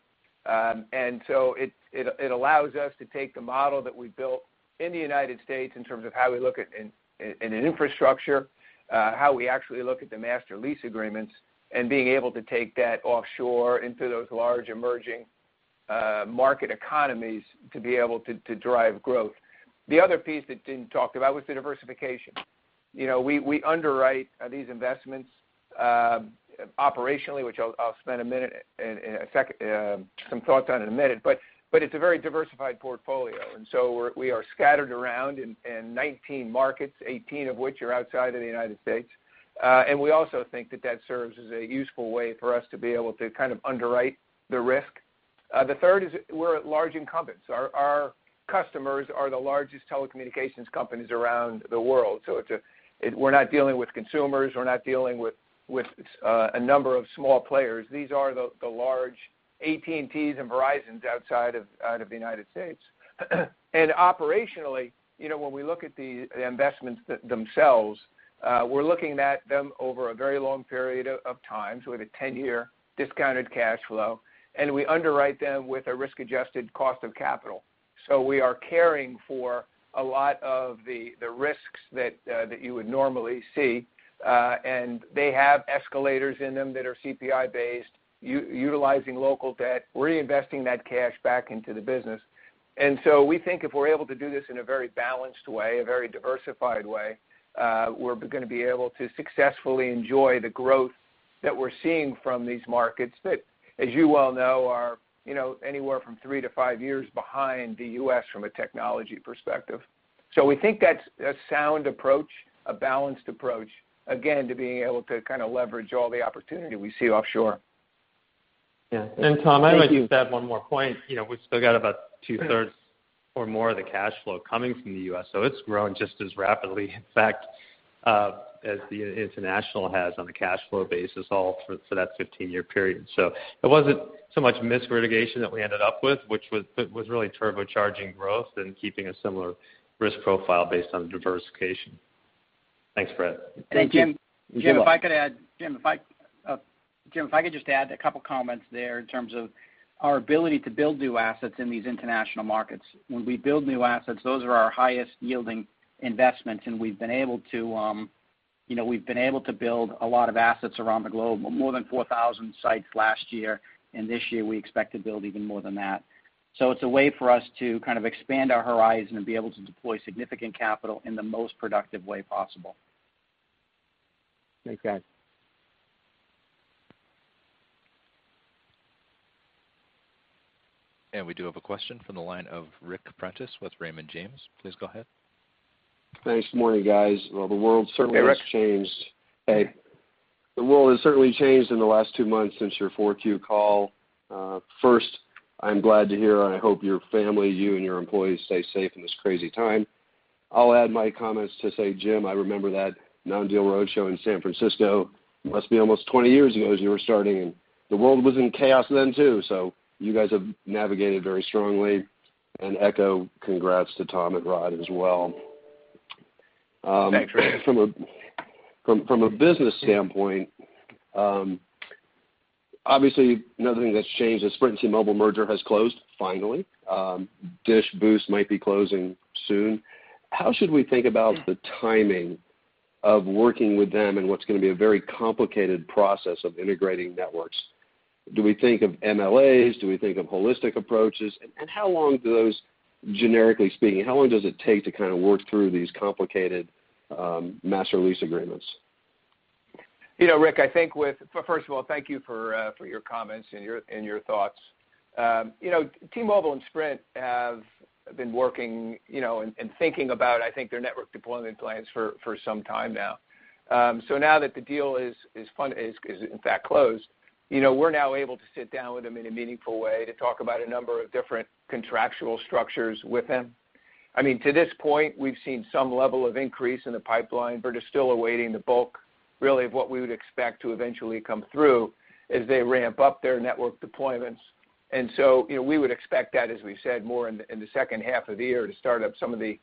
It allows us to take the model that we built in the United States in terms of how we look at an infrastructure, how we actually look at the master lease agreements, and being able to take that offshore into those large emerging market economies to be able to drive growth. The other piece that Jim talked about was the diversification. We underwrite these investments operationally, which I'll spend some thoughts on in a minute, but it's a very diversified portfolio. We are scattered around in 19 markets, 18 of which are outside of the United States. We also think that that serves as a useful way for us to be able to underwrite the risk. The third is we're large incumbents. Our customers are the largest telecommunications companies around the world. We're not dealing with consumers. We're not dealing with a number of small players. These are the large AT&Ts and Verizons outside of the United States. Operationally, when we look at the investments themselves, we're looking at them over a very long period of time, so we have a 10-year discounted cash flow, and we underwrite them with a risk-adjusted cost of capital. We are caring for a lot of the risks that you would normally see. They have escalators in them that are CPI based, utilizing local debt, reinvesting that cash back into the business. We think if we're able to do this in a very balanced way, a very diversified way, we're going to be able to successfully enjoy the growth that we're seeing from these markets that, as you well know, are anywhere from three to five years behind the U.S. from a technology perspective. We think that's a sound approach, a balanced approach, again, to being able to leverage all the opportunity we see offshore. Yeah. Tom, I might just add one more point. We've still got about two-thirds or more of the cash flow coming from the U.S., it's growing just as rapidly, in fact, as the international has on a cash flow basis all for that 15-year period. It wasn't so much risk mitigation that we ended up with, which was really turbocharging growth and keeping a similar risk profile based on diversification. Thanks, Brett. Thank you. You're welcome. Jim, if I could just add a couple comments there in terms of our ability to build new assets in these international markets. When we build new assets, those are our highest yielding investments, and we've been able to build a lot of assets around the globe, more than 4,000 sites last year, and this year we expect to build even more than that. It's a way for us to expand our horizon and be able to deploy significant capital in the most productive way possible. Thanks, guys. We do have a question from the line of Ric Prentiss with Raymond James. Please go ahead. Thanks. Morning, guys. Hey, Ric. The world has changed. The world has certainly changed in the last two months since your 4Q call. I'm glad to hear, and I hope your family, you, and your employees stay safe in this crazy time. I'll add my comments to say, Jim, I remember that non-deal roadshow in San Francisco. Must be almost 20 years ago, as you were starting, and the world was in chaos then, too. You guys have navigated very strongly, and echo congrats to Tom and Rod as well. Thanks, Ric. From a business standpoint, obviously, another thing that's changed is Sprint and T-Mobile merger has closed finally. Dish Boost might be closing soon. How should we think about the timing of working with them and what's going to be a very complicated process of integrating networks? Do we think of MLAs? Do we think of holistic approaches? Generically speaking, how long does it take to kind of work through these complicated master lease agreements? Ric, first of all, thank you for your comments and your thoughts. T-Mobile and Sprint have been working and thinking about, I think, their network deployment plans for some time now. Now that the deal is in fact closed, we're now able to sit down with them in a meaningful way to talk about a number of different contractual structures with them. I mean, to this point, we've seen some level of increase in the pipeline. We're just still awaiting the bulk, really, of what we would expect to eventually come through as they ramp up their network deployments. We would expect that, as we said, more in the second half of the year to start up some of the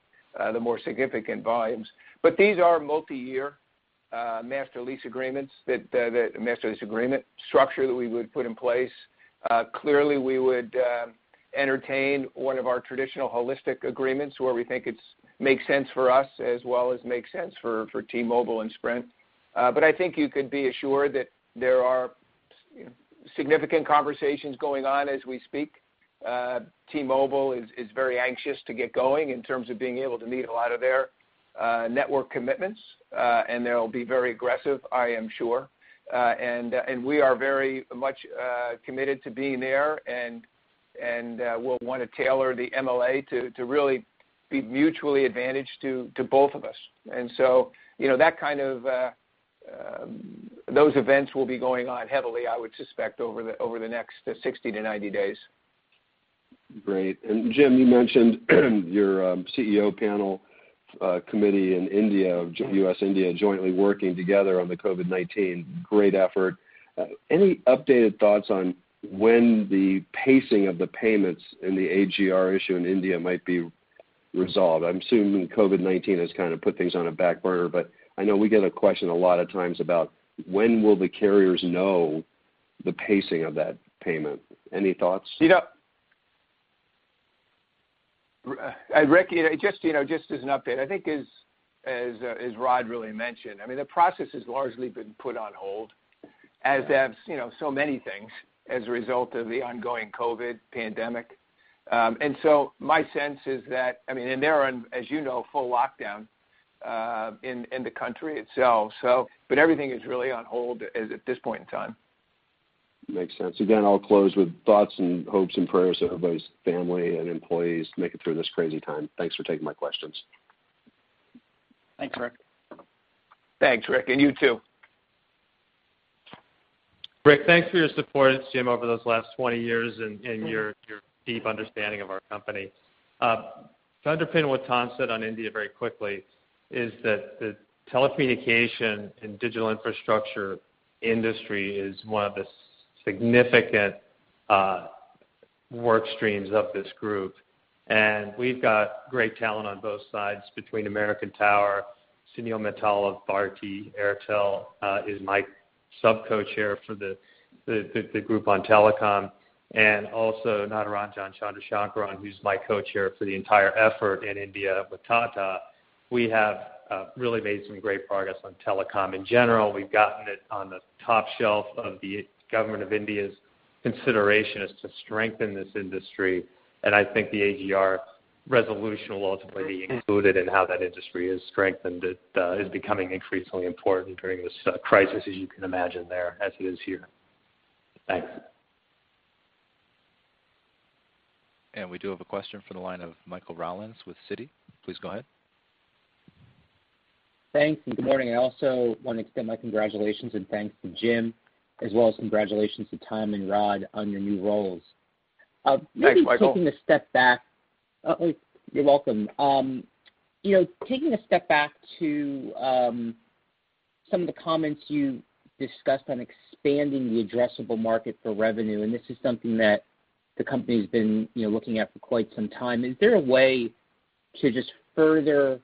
more significant volumes. These are multi-year master lease agreement structure that we would put in place. Clearly, we would entertain one of our traditional holistic agreements where we think it makes sense for us, as well as makes sense for T-Mobile and Sprint. I think you could be assured that there are significant conversations going on as we speak. T-Mobile is very anxious to get going in terms of being able to meet a lot of their network commitments. They'll be very aggressive, I am sure. We are very much committed to being there, and we'll want to tailor the MLA to really be mutually advantage to both of us. Those events will be going on heavily, I would suspect, over the next 60 to 90 days. Great. Jim, you mentioned your CEO panel committee in India, U.S., India, jointly working together on the COVID-19. Great effort. Any updated thoughts on when the pacing of the payments in the AGR issue in India might be resolved? I'm assuming COVID-19 has kind of put things on a back burner, but I know we get a question a lot of times about when will the carriers know the pacing of that payment. Any thoughts? Ric, just as an update, I think as Rod really mentioned, I mean, the process has largely been put on hold, as have so many things, as a result of the ongoing COVID-19 pandemic. My sense is that, and they're on, as you know, full lockdown in the country itself, so. Everything is really on hold at this point in time. Makes sense. Again, I'll close with thoughts and hopes and prayers that everybody's family and employees make it through this crazy time. Thanks for taking my questions. Thanks, Ric. Thanks, Ric. You too. Ric, thanks for your support of Jim, over those last 20 years and your deep understanding of our company. To underpin what Tom said on India very quickly, is that the telecommunication and digital infrastructure industry is one of the significant work streams of this group. We've got great talent on both sides between American Tower, Sunil Mittal of Bharti Airtel, is my sub-co-chair for the group on telecom, and also Natarajan Chandrasekaran, who's my co-chair for the entire effort in India with Tata. We have really made some great progress on telecom in general. We've gotten it on the top shelf of the Government of India's consideration as to strengthen this industry. I think the AGR resolution will ultimately be included in how that industry is strengthened. It is becoming increasingly important during this crisis, as you can imagine there, as it is here. Thanks. We do have a question from the line of Michael Rollins with Citi. Please go ahead. Thanks. Good morning. I also want to extend my congratulations and thanks to Jim, as well as congratulations to Tom and Rod on your new roles. Thanks, Michael. You're welcome. Taking a step back to some of the comments you discussed on expanding the addressable market for revenue. This is something that the company's been looking at for quite some time. Is there a way to just further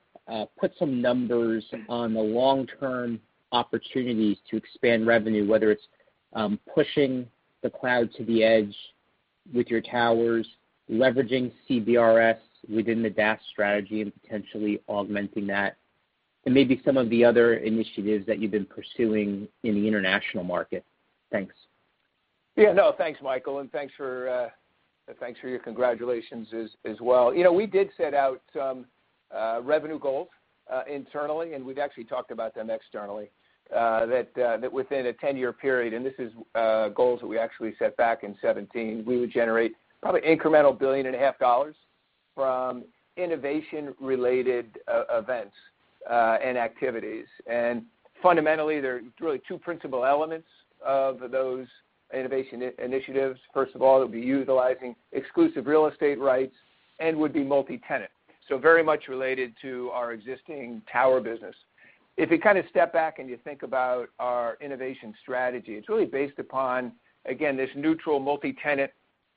put some numbers on the long-term opportunities to expand revenue, whether it's pushing the cloud to the edge with your towers, leveraging CBRS within the DAS strategy and potentially augmenting that, and maybe some of the other initiatives that you've been pursuing in the international market? Thanks. No, thanks, Michael, and thanks for your congratulations as well. We did set out Revenue goals internally, and we've actually talked about them externally, that within a 10-year period, and these are goals that we actually set back in 2017, we would generate probably an incremental billion and a half dollars from innovation-related events and activities. Fundamentally, there are really two principal elements of those innovation initiatives. First of all, it'll be utilizing exclusive real estate rights and would be multi-tenant, so very much related to our existing tower business. If you step back and you think about our innovation strategy, it's really based upon, again, this neutral multi-tenant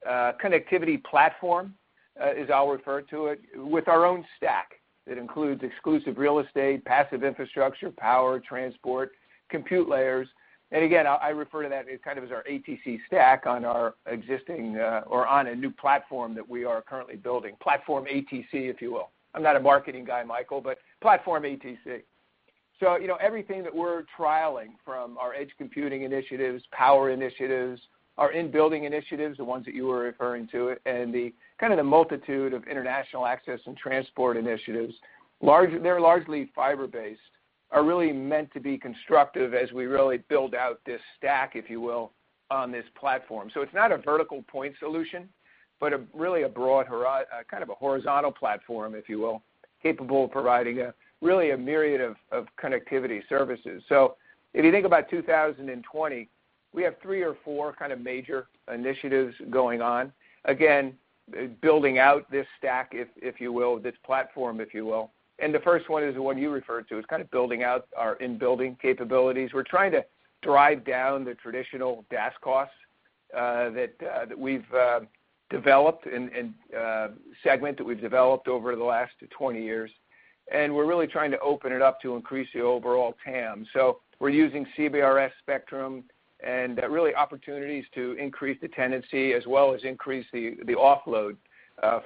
connectivity platform, as I'll refer to it, with our own stack. It includes exclusive real estate, passive infrastructure, power, transport, compute layers. Again, I refer to that as kind of our ATC stack on our existing or on a new platform that we are currently building. Platform ATC, if you will. I'm not a marketing guy, Michael, but Platform ATC. Everything that we're trialing from our edge computing initiatives, power initiatives, our in-building initiatives, the ones that you were referring to, and the kind of the multitude of international access and transport initiatives, they're largely fiber-based, are really meant to be constructive as we really build out this stack, if you will, on this platform. It's not a vertical point solution, but really a broad kind of a horizontal platform, if you will, capable of providing really a myriad of connectivity services. If you think about 2020, we have three or four major initiatives going on. Building out this stack, if you will, this platform, if you will. The first one is the one you referred to. It's kind of building out our in-building capabilities. We're trying to drive down the traditional DAS costs that we've developed and segment that we've developed over the last 20 years, and we're really trying to open it up to increase the overall TAM. We're using CBRS spectrum and really opportunities to increase the tenancy as well as increase the offload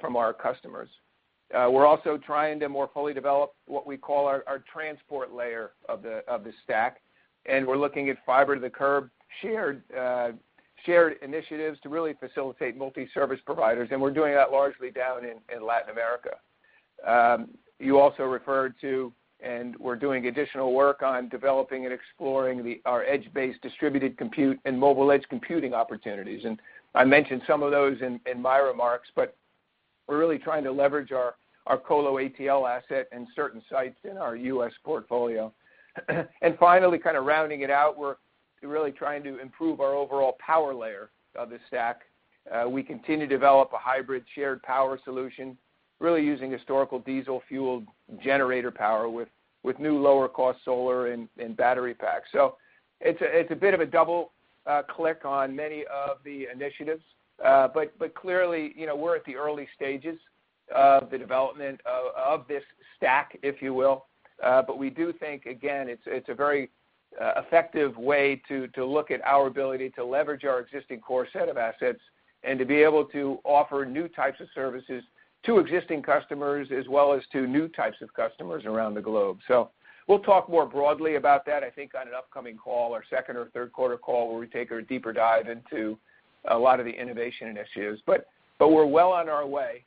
from our customers. We're also trying to more fully develop what we call our transport layer of the stack, and we're looking at fiber to the curb shared initiatives to really facilitate multi-service providers, and we're doing that largely down in Latin America. You also referred to, and we're doing additional work on developing and exploring our edge-based distributed compute and mobile edge computing opportunities. I mentioned some of those in my remarks, but we're really trying to leverage our Colo Atl asset and certain sites in our U.S. portfolio. Finally, kind of rounding it out, we're really trying to improve our overall power layer of the stack. We continue to develop a hybrid shared power solution, really using historical diesel-fueled generator power with new lower-cost solar and battery packs. It's a bit of a double click on many of the initiatives. Clearly, we're at the early stages of the development of this stack, if you will. We do think, again, it's a very effective way to look at our ability to leverage our existing core set of assets and to be able to offer new types of services to existing customers as well as to new types of customers around the globe. We'll talk more broadly about that, I think, on an upcoming call, our second or third quarter call, where we take a deeper dive into a lot of the innovation initiatives. We're well on our way,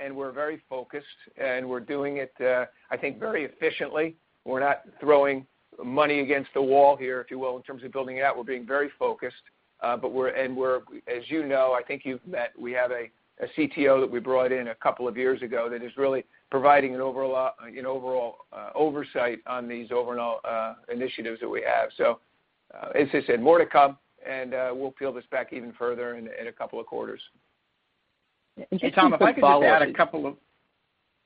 and we're very focused, and we're doing it, I think, very efficiently. We're not throwing money against the wall here, if you will, in terms of building it out. We're being very focused. As you know, I think you've met, we have a CTO that we brought in a couple of years ago that is really providing an overall oversight on these overall initiatives that we have. As I said, more to come, and we'll peel this back even further in a couple of quarters. And just a quick follow-up- Hey, Tom,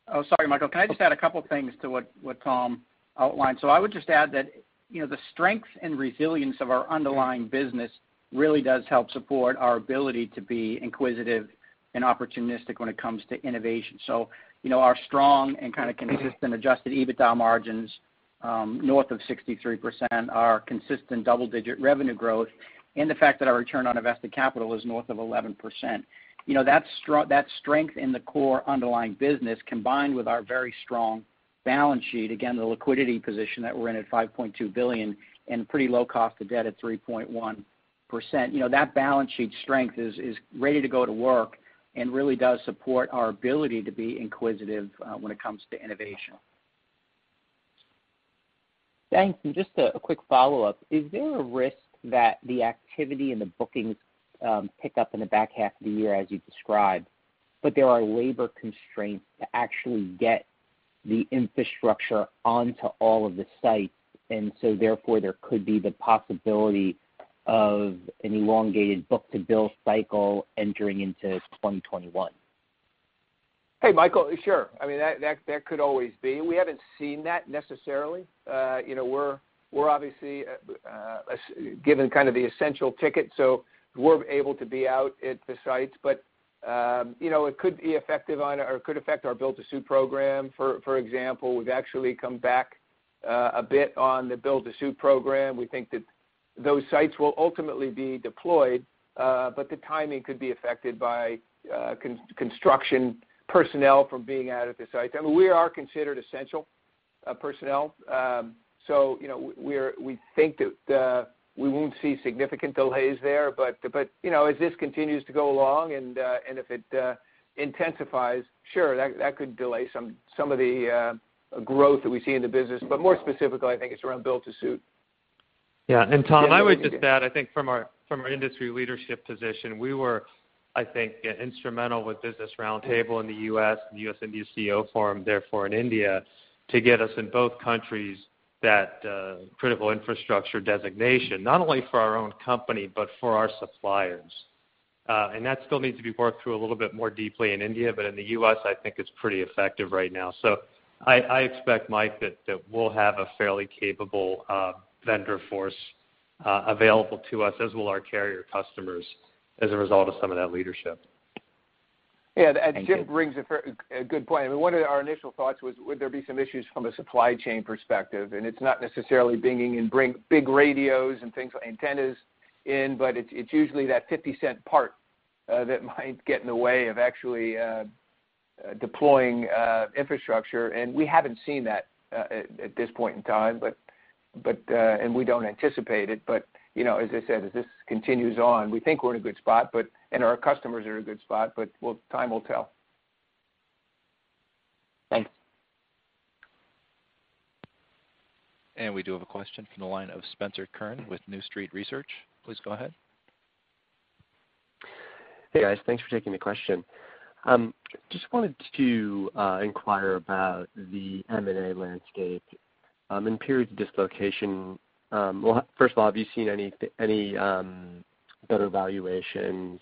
oh, sorry, Michael. Can I just add a couple things to what Tom outlined? I would just add that the strength and resilience of our underlying business really does help support our ability to be inquisitive and opportunistic when it comes to innovation. Our strong and kind of consistent adjusted EBITDA margins north of 63%, our consistent double-digit revenue growth, and the fact that our return on invested capital is north of 11%. That strength in the core underlying business, combined with our very strong balance sheet, again, the liquidity position that we're in at $5.2 billion and pretty low cost of debt at 3.1%. That balance sheet strength is ready to go to work and really does support our ability to be inquisitive when it comes to innovation. Thanks. Just a quick follow-up. Is there a risk that the activity and the bookings pick up in the back half of the year as you described, but there are labor constraints to actually get the infrastructure onto all of the sites, and so therefore, there could be the possibility of an elongated book-to-bill cycle entering into 2021? Hey, Michael. Sure. I mean, that could always be. We haven't seen that necessarily. We're obviously given kind of the essential ticket, so we're able to be out at the sites, but it could affect our build to suit program. For example, we've actually come back a bit on the build to suit program. We think that those sites will ultimately be deployed, but the timing could be affected by construction personnel from being out at the site. I mean, we are considered essential personnel. We think that we won't see significant delays there. As this continues to go along and if it intensifies, sure, that could delay some of the growth that we see in the business. More specifically, I think it's around build-to-suit. Yeah. Tom, I would just add, I think from our industry leadership position, we were, I think, instrumental with Business Roundtable in the U.S., the U.S.-India CEO Forum, therefore in India, to get us in both countries that critical infrastructure designation, not only for our own company, but for our suppliers. That still needs to be worked through a little bit more deeply in India, but in the U.S., I think it's pretty effective right now. I expect, Mike, that we'll have a fairly capable vendor force available to us, as will our carrier customers, as a result of some of that leadership. Yeah. Jim brings a very good point. I mean, one of our initial thoughts was, would there be some issues from a supply chain perspective? It's not necessarily bringing in big radios and things like antennas in, but it's usually that $0.50 part that might get in the way of actually deploying infrastructure. We haven't seen that at this point in time, and we don't anticipate it. As I said, as this continues on, we think we're in a good spot, and our customers are in a good spot, but time will tell. Thanks. We do have a question from the line of Spencer Kurn with New Street Research. Please go ahead. Hey, guys. Thanks for taking the question. Just wanted to inquire about the M&A landscape in periods of dislocation. First of all, have you seen any better valuations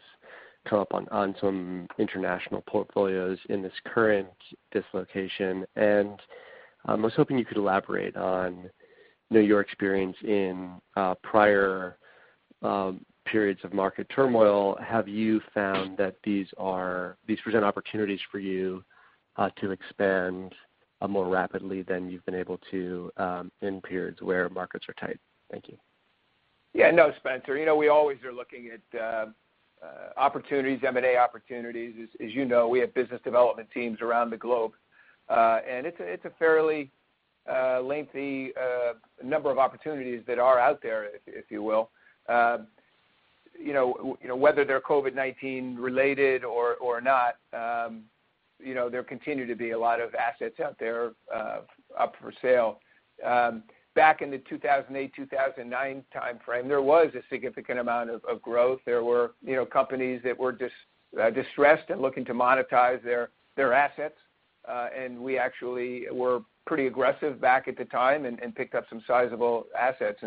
come up on some international portfolios in this current dislocation? I was hoping you could elaborate on your experience in prior periods of market turmoil. Have you found that these present opportunities for you to expand more rapidly than you've been able to in periods where markets are tight? Thank you. Yeah, no, Spencer. We always are looking at M&A opportunities. As you know, we have business development teams around the globe. It's a fairly lengthy number of opportunities that are out there, if you will. Whether they're COVID-19 related or not, there continue to be a lot of assets out there up for sale. Back in the 2008, 2009 timeframe, there was a significant amount of growth. There were companies that were distressed and looking to monetize their assets. We actually were pretty aggressive back at the time and picked up some sizable assets.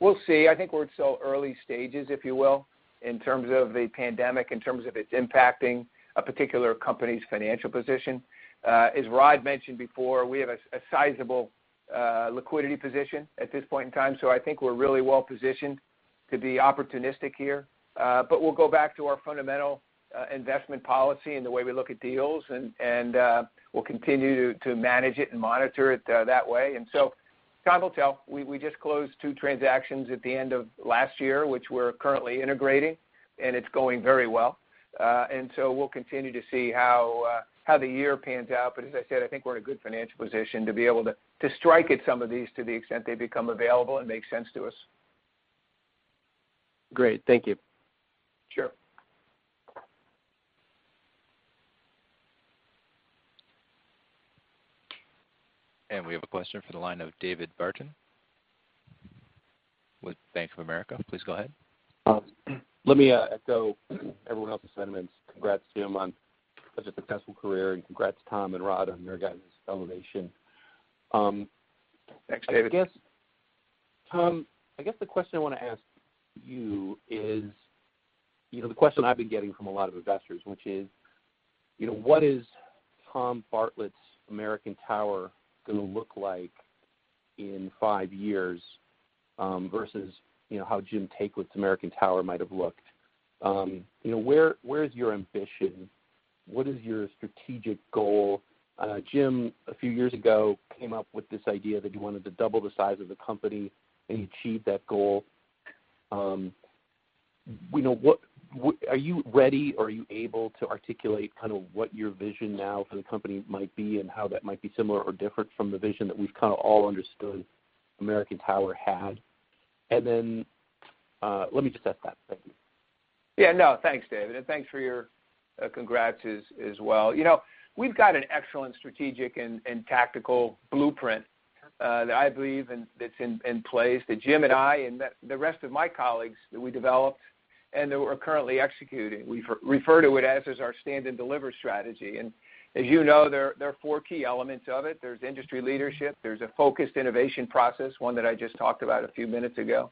We'll see. I think we're at early stages, if you will, in terms of the pandemic, in terms of its impacting a particular company's financial position. As Rod mentioned before, we have a sizable liquidity position at this point in time, so I think we're really well positioned to be opportunistic here. We'll go back to our fundamental investment policy and the way we look at deals and we'll continue to manage it and monitor it that way. Time will tell. We just closed two transactions at the end of last year, which we're currently integrating, and it's going very well. We'll continue to see how the year pans out. As I said, I think we're in a good financial position to be able to strike at some of these to the extent they become available and make sense to us. Great. Thank you. Sure. We have a question from the line of David Barden with Bank of America. Please go ahead. Let me echo everyone else's sentiments. Congrats, Jim, on such a successful career, and congrats Tom and Rod on your guys' elevation. Thanks, David. Tom, I guess the question I want to ask you is the question I've been getting from a lot of investors, which is, what is Tom Bartlett's American Tower going to look like in five years, versus how Jim Taiclet's American Tower might have looked? Where is your ambition? What is your strategic goal? Jim, a few years ago, came up with this idea that you wanted to double the size of the company, and you achieved that goal. Are you ready? Are you able to articulate kind of what your vision now for the company might be, and how that might be similar or different from the vision that we've kind of all understood American Tower had? Thank you. No, thanks, David. Thanks for your congrats as well. We've got an excellent strategic and tactical blueprint that I believe that's in place, that Jim and I, and the rest of my colleagues that we developed and that we're currently executing. We refer to it as our Stand and Deliver strategy. As you know, there are four key elements of it. There's industry leadership, there's a focused innovation process, one that I just talked about a few minutes ago.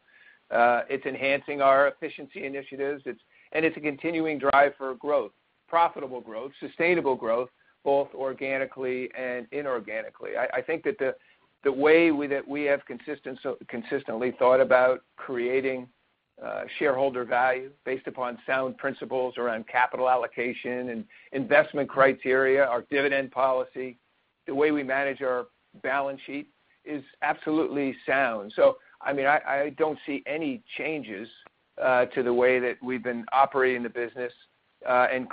It's enhancing our efficiency initiatives, and it's a continuing drive for growth, profitable growth, sustainable growth, both organically and inorganically. I think that the way that we have consistently thought about creating shareholder value based upon sound principles around capital allocation and investment criteria, our dividend policy, the way we manage our balance sheet is absolutely sound. I don't see any changes to the way that we've been operating the business.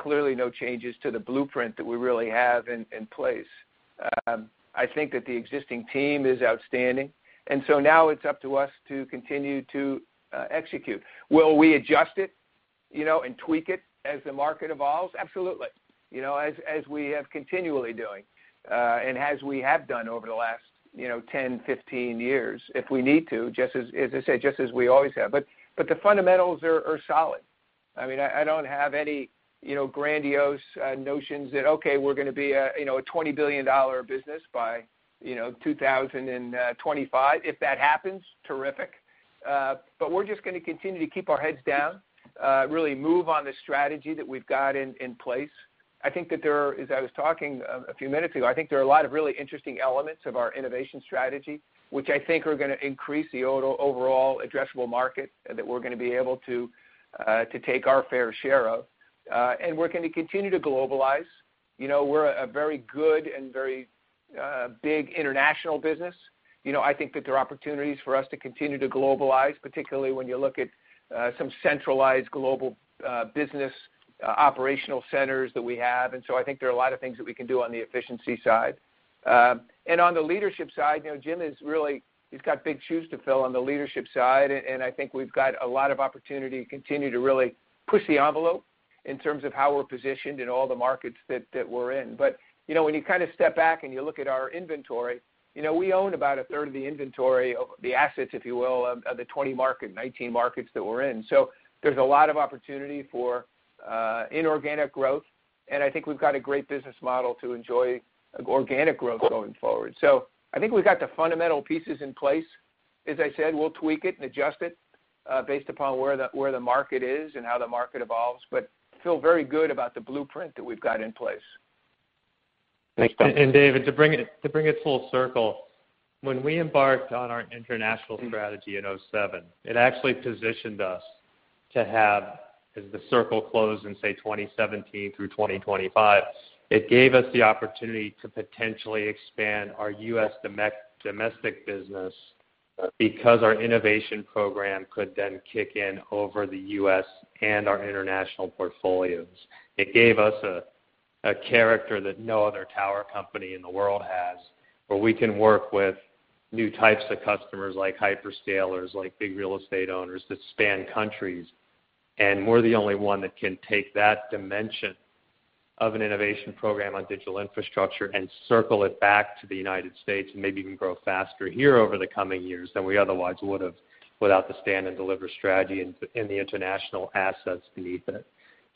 Clearly, no changes to the blueprint that we really have in place. I think that the existing team is outstanding. Now it's up to us to continue to execute. Will we adjust it and tweak it as the market evolves? Absolutely. As we have continually doing. As we have done over the last 10, 15 years, if we need to, as I said, just as we always have. The fundamentals are solid. I don't have any grandiose notions that, okay, we're going to be a $20 billion business by 2025. If that happens, terrific. We're just going to continue to keep our heads down, really move on the strategy that we've got in place. As I was talking a few minutes ago, I think there are a lot of really interesting elements of our innovation strategy, which I think are going to increase the overall addressable market that we're going to be able to take our fair share of. We're going to continue to globalize. We're a very good and very big international business. I think that there are opportunities for us to continue to globalize, particularly when you look at some centralized global business operational centers that we have. I think there are a lot of things that we can do on the efficiency side. On the leadership side, Jim, he's got big shoes to fill on the leadership side, and I think we've got a lot of opportunity to continue to really push the envelope in terms of how we're positioned in all the markets that we're in. When you step back and you look at our inventory, we own about a third of the inventory, the assets, if you will, of the 20 market, 19 markets that we're in. There's a lot of opportunity for inorganic growth, and I think we've got a great business model to enjoy organic growth going forward. I think we've got the fundamental pieces in place. As I said, we'll tweak it and adjust it, based upon where the market is and how the market evolves, but feel very good about the blueprint that we've got in place. Thanks, Tom. David, to bring it full circle, when we embarked on our international strategy in 2007, it actually positioned us to have, as the circle closed in, say, 2017 through 2025, it gave us the opportunity to potentially expand our U.S. domestic business because our innovation program could then kick in over the U.S. and our international portfolios. It gave us a character that no other tower company in the world has, where we can work with new types of customers, like hyperscalers, like big real estate owners that span countries. We're the only one that can take that dimension of an innovation program on digital infrastructure and circle it back to the United States, and maybe even grow faster here over the coming years than we otherwise would have without the Stand and Deliver strategy and the international assets beneath it.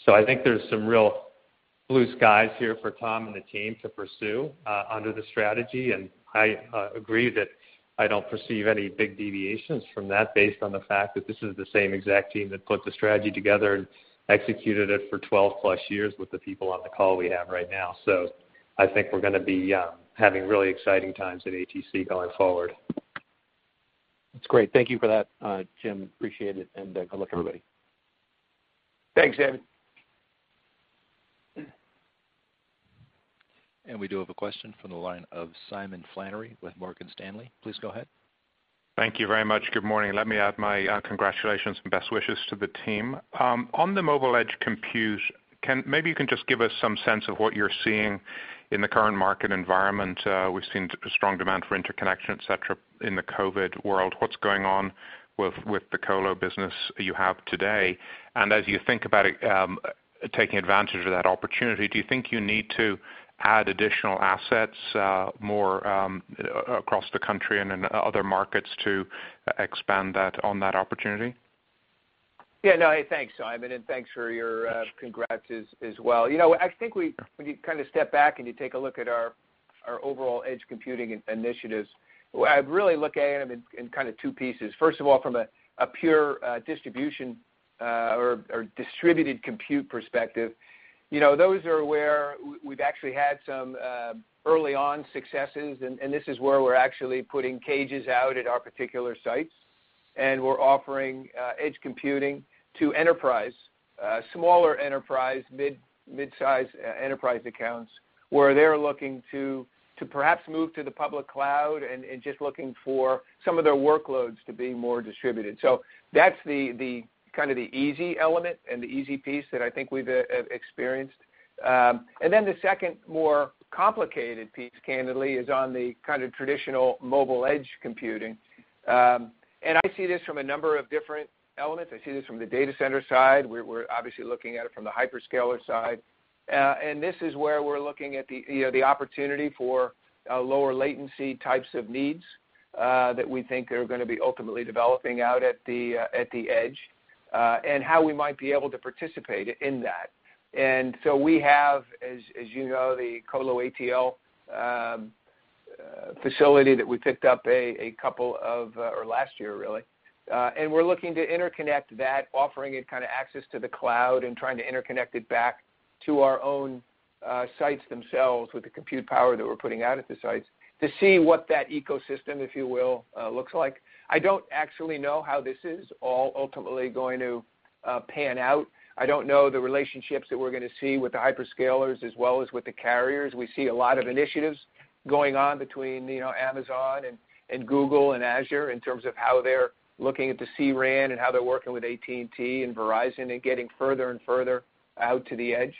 I think there's some real blue skies here for Tom and the team to pursue under the strategy, and I agree that I don't perceive any big deviations from that based on the fact that this is the same exact team that put the strategy together and executed it for 12+ years with the people on the call we have right now. I think we're gonna be having really exciting times at ATC going forward. That's great. Thank you for that, Jim. Appreciate it, and good luck, everybody. Thanks, David. We do have a question from the line of Simon Flannery with Morgan Stanley. Please go ahead. Thank you very much. Good morning. Let me add my congratulations and best wishes to the team. On the mobile edge compute, maybe you can just give us some sense of what you're seeing in the current market environment. We've seen strong demand for interconnection, et cetera, in the COVID world. What's going on with the colo business you have today? As you think about taking advantage of that opportunity, do you think you need to add additional assets more across the country and in other markets to expand that on that opportunity? No. Thanks, Simon, and thanks for your congrats as well. I think when you step back and you take a look at our overall edge computing initiatives, I really look at them in two pieces. First of all, from a pure distribution, or distributed compute perspective. Those are where we've actually had some early on successes, and this is where we're actually putting cages out at our particular sites. We're offering edge computing to enterprise, smaller enterprise, mid-size enterprise accounts, where they're looking to perhaps move to the public cloud and just looking for some of their workloads to be more distributed. That's the easy element and the easy piece that I think we've experienced. The second, more complicated piece, candidly, is on the traditional mobile edge computing. I see this from a number of different elements. I see this from the data center side. We're obviously looking at it from the hyperscaler side. This is where we're looking at the opportunity for lower latency types of needs, that we think are gonna be ultimately developing out at the edge, and how we might be able to participate in that. We have, as you know, the Colo Atl facility that we picked up last year, really. We're looking to interconnect that, offering it access to the cloud and trying to interconnect it back to our own sites themselves with the compute power that we're putting out at the sites to see what that ecosystem, if you will still looks like. I don't actually know how this is all ultimately going to pan out. I don't know the relationships that we're going to see with the hyperscalers as well as with the carriers. We see a lot of initiatives going on between Amazon and Google and Azure in terms of how they're looking at the C-RAN and how they're working with AT&T and Verizon and getting further and further out to the edge.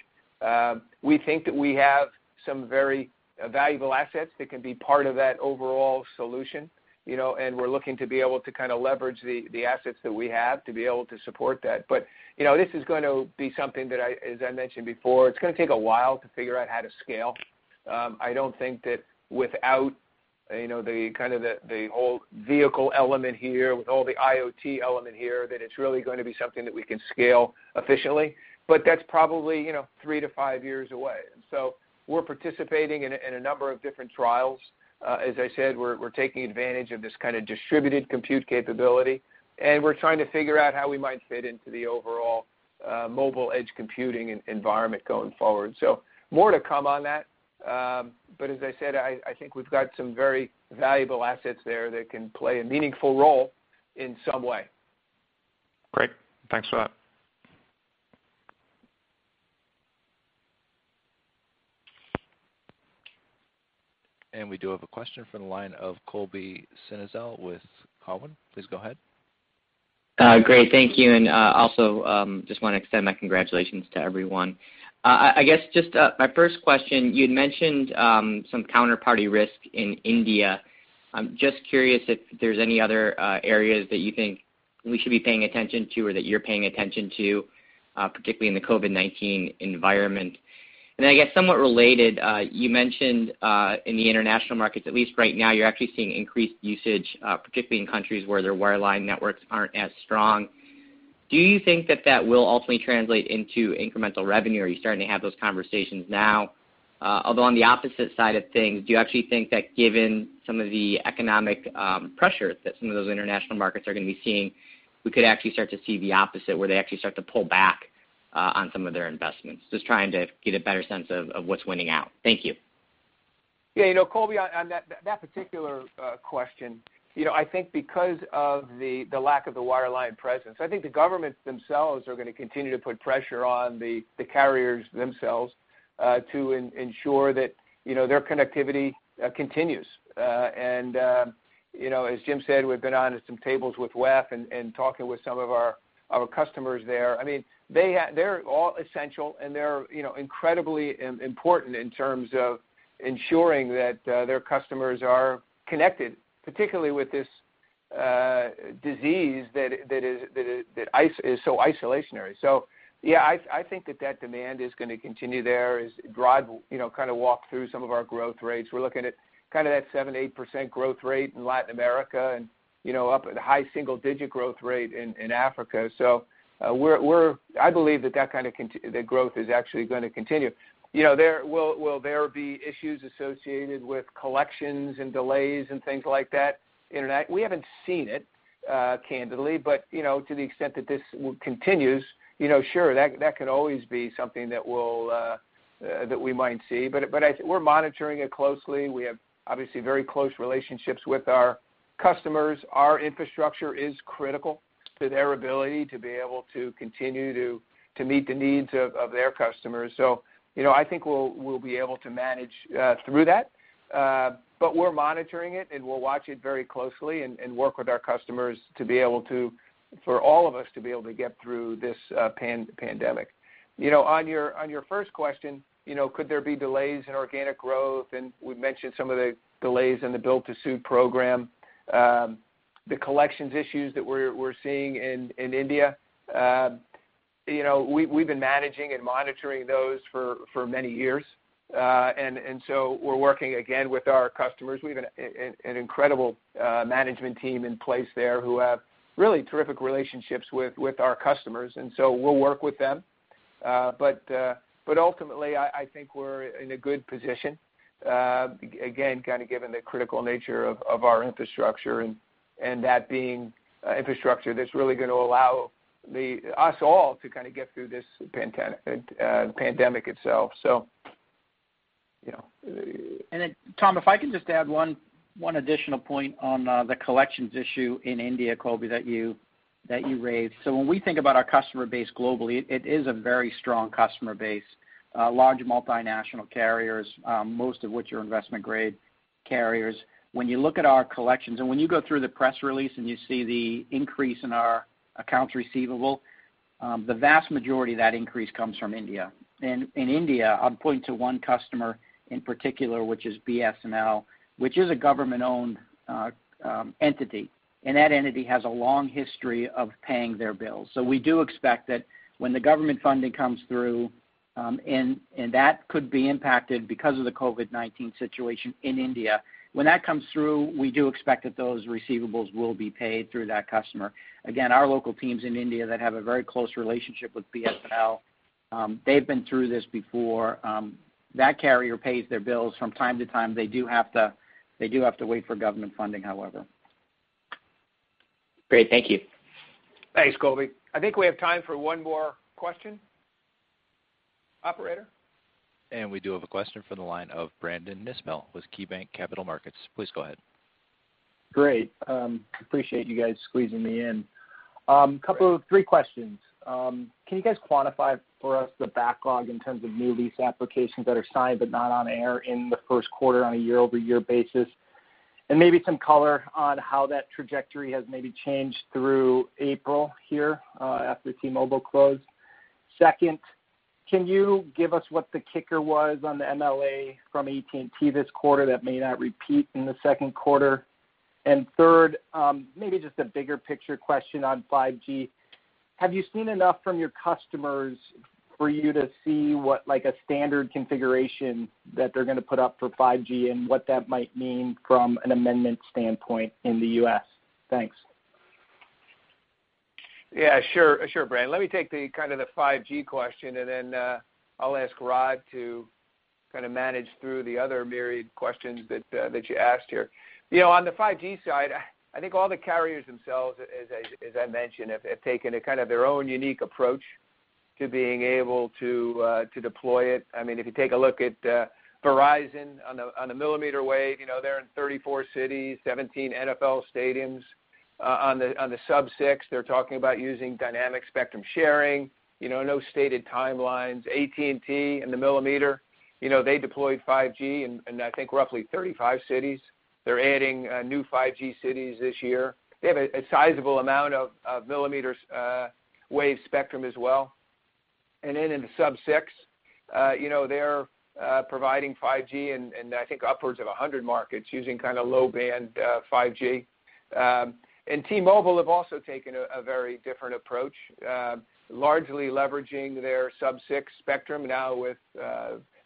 We think that we have some very valuable assets that can be part of that overall solution. We're looking to be able to leverage the assets that we have to be able to support that. This is going to be something that, as I mentioned before, it's going to take a while to figure out how to scale. I don't think that without the whole vehicle element here, with all the IoT element here, that it's really going to be something that we can scale efficiently. That's probably three to five years away. We're participating in a number of different trials. As I said, we're taking advantage of this kind of distributed compute capability, and we're trying to figure out how we might fit into the overall mobile edge computing environment going forward. More to come on that. As I said, I think we've got some very valuable assets there that can play a meaningful role in some way. Great. Thanks for that. We do have a question from the line of Colby Synesael with Cowen. Please go ahead. Great. Thank you, and also, just want to extend my congratulations to everyone. I guess just my first question, you had mentioned some counterparty risk in India. I'm just curious if there's any other areas that you think we should be paying attention to or that you're paying attention to, particularly in the COVID-19 environment? Then I guess somewhat related, you mentioned in the international markets, at least right now, you're actually seeing increased usage, particularly in countries where their wireline networks aren't as strong. Do you think that that will ultimately translate into incremental revenue? Are you starting to have those conversations now? On the opposite side of things, do you actually think that given some of the economic pressures that some of those international markets are going to be seeing, we could actually start to see the opposite where they actually start to pull back on some of their investments? Just trying to get a better sense of what's winning out. Thank you. Yeah. Colby, on that particular question, I think because of the lack of the wireline presence, I think the governments themselves are going to continue to put pressure on the carriers themselves, to ensure that their connectivity continues. As Jim said, we've been on to some tables with WEF and talking with some of our customers there. They're all essential, and they're incredibly important in terms of ensuring that their customers are connected, particularly with this disease that is so isolationary. Yeah, I think that that demand is going to continue there as Rod kind of walked through some of our growth rates. We're looking at that 7%, 8% growth rate in Latin America and up at high single-digit growth rate in Africa. I believe that that kind of growth is actually going to continue. Will there be issues associated with collections and delays and things like that in that? We haven't seen it, candidly, to the extent that this continues, sure, that could always be something that we might see. We're monitoring it closely. We have obviously very close relationships with our customers. Our infrastructure is critical to their ability to be able to continue to meet the needs of their customers. I think we'll be able to manage through that. We're monitoring it, and we'll watch it very closely and work with our customers for all of us to be able to get through this pandemic. On your first question, could there be delays in organic growth? We've mentioned some of the delays in the build-to-suit program. The collections issues that we're seeing in India, we've been managing and monitoring those for many years. We're working again with our customers. We have an incredible management team in place there who have really terrific relationships with our customers. We'll work with them. Ultimately, I think we're in a good position. Again, given the critical nature of our infrastructure and that being infrastructure that's really going to allow us all to get through this pandemic itself. Tom, if I can just add one additional point on the collections issue in India, Colby, that you raised. When we think about our customer base globally, it is a very strong customer base. Large multinational carriers, most of which are investment-grade carriers. When you look at our collections, and when you go through the press release and you see the increase in our accounts receivable, the vast majority of that increase comes from India. In India, I'm pointing to one customer in particular, which is BSNL, which is a government-owned entity, and that entity has a long history of paying their bills. We do expect that when the government funding comes through, and that could be impacted because of the COVID-19 situation in India. When that comes through, we do expect that those receivables will be paid through that customer. Again, our local teams in India that have a very close relationship with BSNL, they've been through this before. That carrier pays their bills from time to time. They do have to wait for government funding, however. Great. Thank you. Thanks, Colby. I think we have time for one more question. Operator? We do have a question from the line of Brandon Nispel with KeyBanc Capital Markets. Please go ahead. Great. Appreciate you guys squeezing me in. Three questions. Can you guys quantify for us the backlog in terms of new lease applications that are signed but not on air in the first quarter on a year-over-year basis? Maybe some color on how that trajectory has maybe changed through April here, after T-Mobile closed. Second, can you give us what the kicker was on the MLA from AT&T this quarter that may not repeat in the second quarter? Third, maybe just a bigger picture question on 5G. Have you seen enough from your customers for you to see what a standard configuration that they're going to put up for 5G and what that might mean from an amendment standpoint in the U.S.? Thanks. Yeah. Sure, Brandon. Let me take the 5G question, and then I'll ask Rod to manage through the other myriad questions that you asked here. On the 5G side, I think all the carriers themselves, as I mentioned, have taken their own unique approach to being able to deploy it. If you take a look at Verizon on the millimeter wave, they're in 34 cities, 17 NFL stadiums. On the sub-6, they're talking about using dynamic spectrum sharing, no stated timelines. AT&T in the millimeter, they deployed 5G in, I think, roughly 35 cities. They're adding new 5G cities this year. They have a sizable amount of millimeter wave spectrum as well. In the sub-6, they're providing 5G in, I think, upwards of 100 markets using low-band 5G. T-Mobile have also taken a very different approach, largely leveraging their sub-6 spectrum now with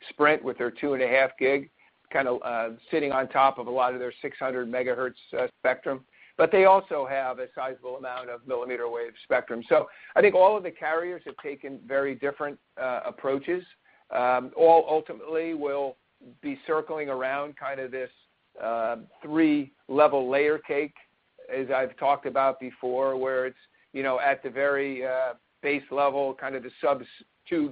Sprint, with their 2.5 GHz sitting on top of a lot of their 600 MHz spectrum. They also have a sizable amount of millimeter wave spectrum. I think all of the carriers have taken very different approaches. All ultimately will be circling around this three-level layer cake, as I've talked about before, where it's at the very base level, the sub-2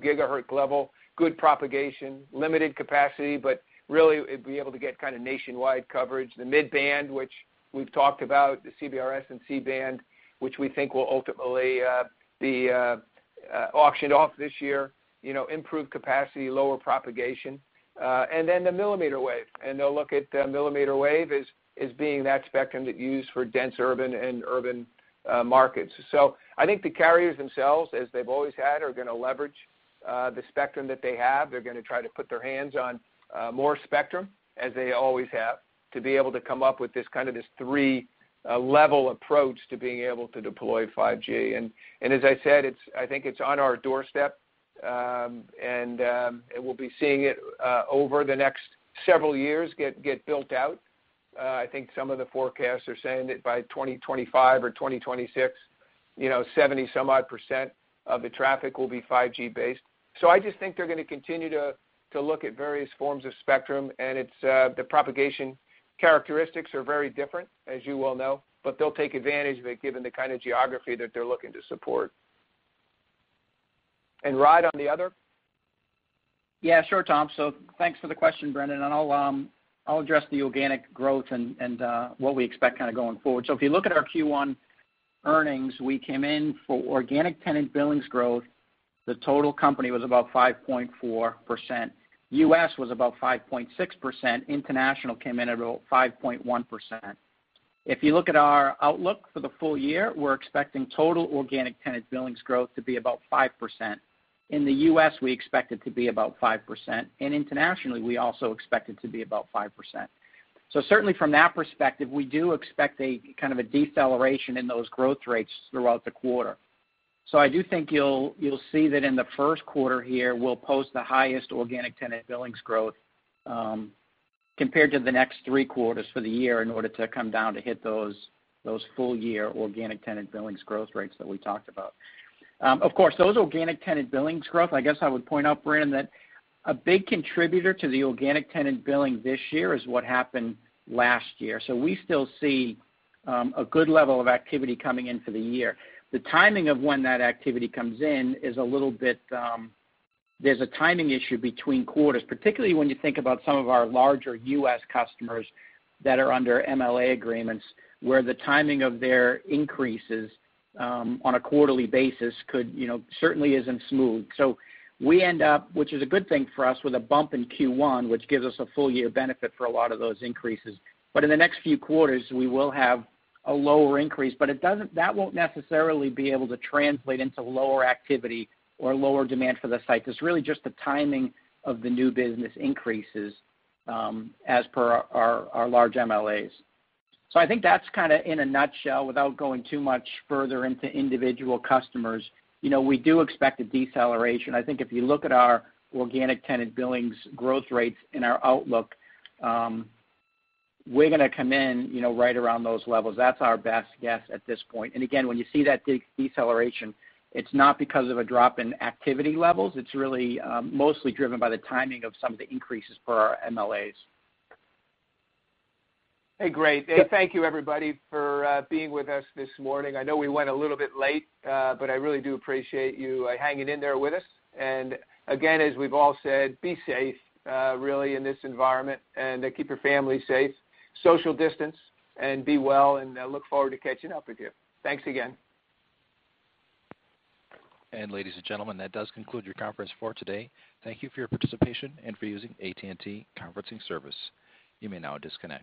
GHz level. Good propagation, limited capacity, but really, it'd be able to get nationwide coverage. The mid-band, which we've talked about, the CBRS and C-band, which we think will ultimately be auctioned off this year. Improved capacity, lower propagation. The millimeter wave, and they'll look at millimeter wave as being that spectrum that's used for dense urban and urban markets. I think the carriers themselves, as they've always had, are going to leverage the spectrum that they have. They're going to try to put their hands on more spectrum, as they always have, to be able to come up with this three-level approach to being able to deploy 5G. As I said, I think it's on our doorstep, and we'll be seeing it over the next several years get built out. I think some of the forecasts are saying that by 2025 or 2026, 70-some-odd% of the traffic will be 5G-based. I just think they're going to continue to look at various forms of spectrum, and the propagation characteristics are very different, as you well know. They'll take advantage of it given the kind of geography that they're looking to support. Rod, on the other? Sure, Tom. Thanks for the question, Brandon, and I'll address the organic growth and what we expect going forward. If you look at our Q1 earnings, we came in for organic tenant billings growth. The total company was about 5.4%. U.S. was about 5.6%. International came in at about 5.1%. If you look at our outlook for the full year, we're expecting total organic tenant billings growth to be about 5%. In the U.S., we expect it to be about 5%, and internationally, we also expect it to be about 5%. Certainly from that perspective, we do expect a deceleration in those growth rates throughout the quarter. I do think you'll see that in the first quarter here, we'll post the highest organic tenant billings growth, compared to the next three quarters for the year in order to come down to hit those full-year organic tenant billings growth rates that we talked about. Of course, those organic tenant billings growth, I guess I would point out, Brandon, that a big contributor to the organic tenant billing this year is what happened last year. We still see a good level of activity coming in for the year. The timing of when that activity comes in is a little bit, there's a timing issue between quarters, particularly when you think about some of our larger U.S. customers that are under MLA agreements, where the timing of their increases on a quarterly basis certainly isn't smooth. We end up, which is a good thing for us, with a bump in Q1, which gives us a full-year benefit for a lot of those increases. In the next few quarters, we will have a lower increase, but that won't necessarily be able to translate into lower activity or lower demand for the site. It's really just the timing of the new business increases as per our large MLAs. I think that's in a nutshell, without going too much further into individual customers. We do expect a deceleration. I think if you look at our organic tenant billings growth rates in our outlook, we're going to come in right around those levels. That's our best guess at this point. Again, when you see that deceleration, it's not because of a drop in activity levels. It's really mostly driven by the timing of some of the increases for our MLAs. Hey, great. Thank you, everybody, for being with us this morning. I know we went a little bit late, but I really do appreciate you hanging in there with us. Again, as we've all said, be safe, really, in this environment, and keep your family safe. Social distance and be well, and I look forward to catching up with you. Thanks again. Ladies and gentlemen, that does conclude your conference for today. Thank you for your participation and for using AT&T Conferencing Service. You may now disconnect.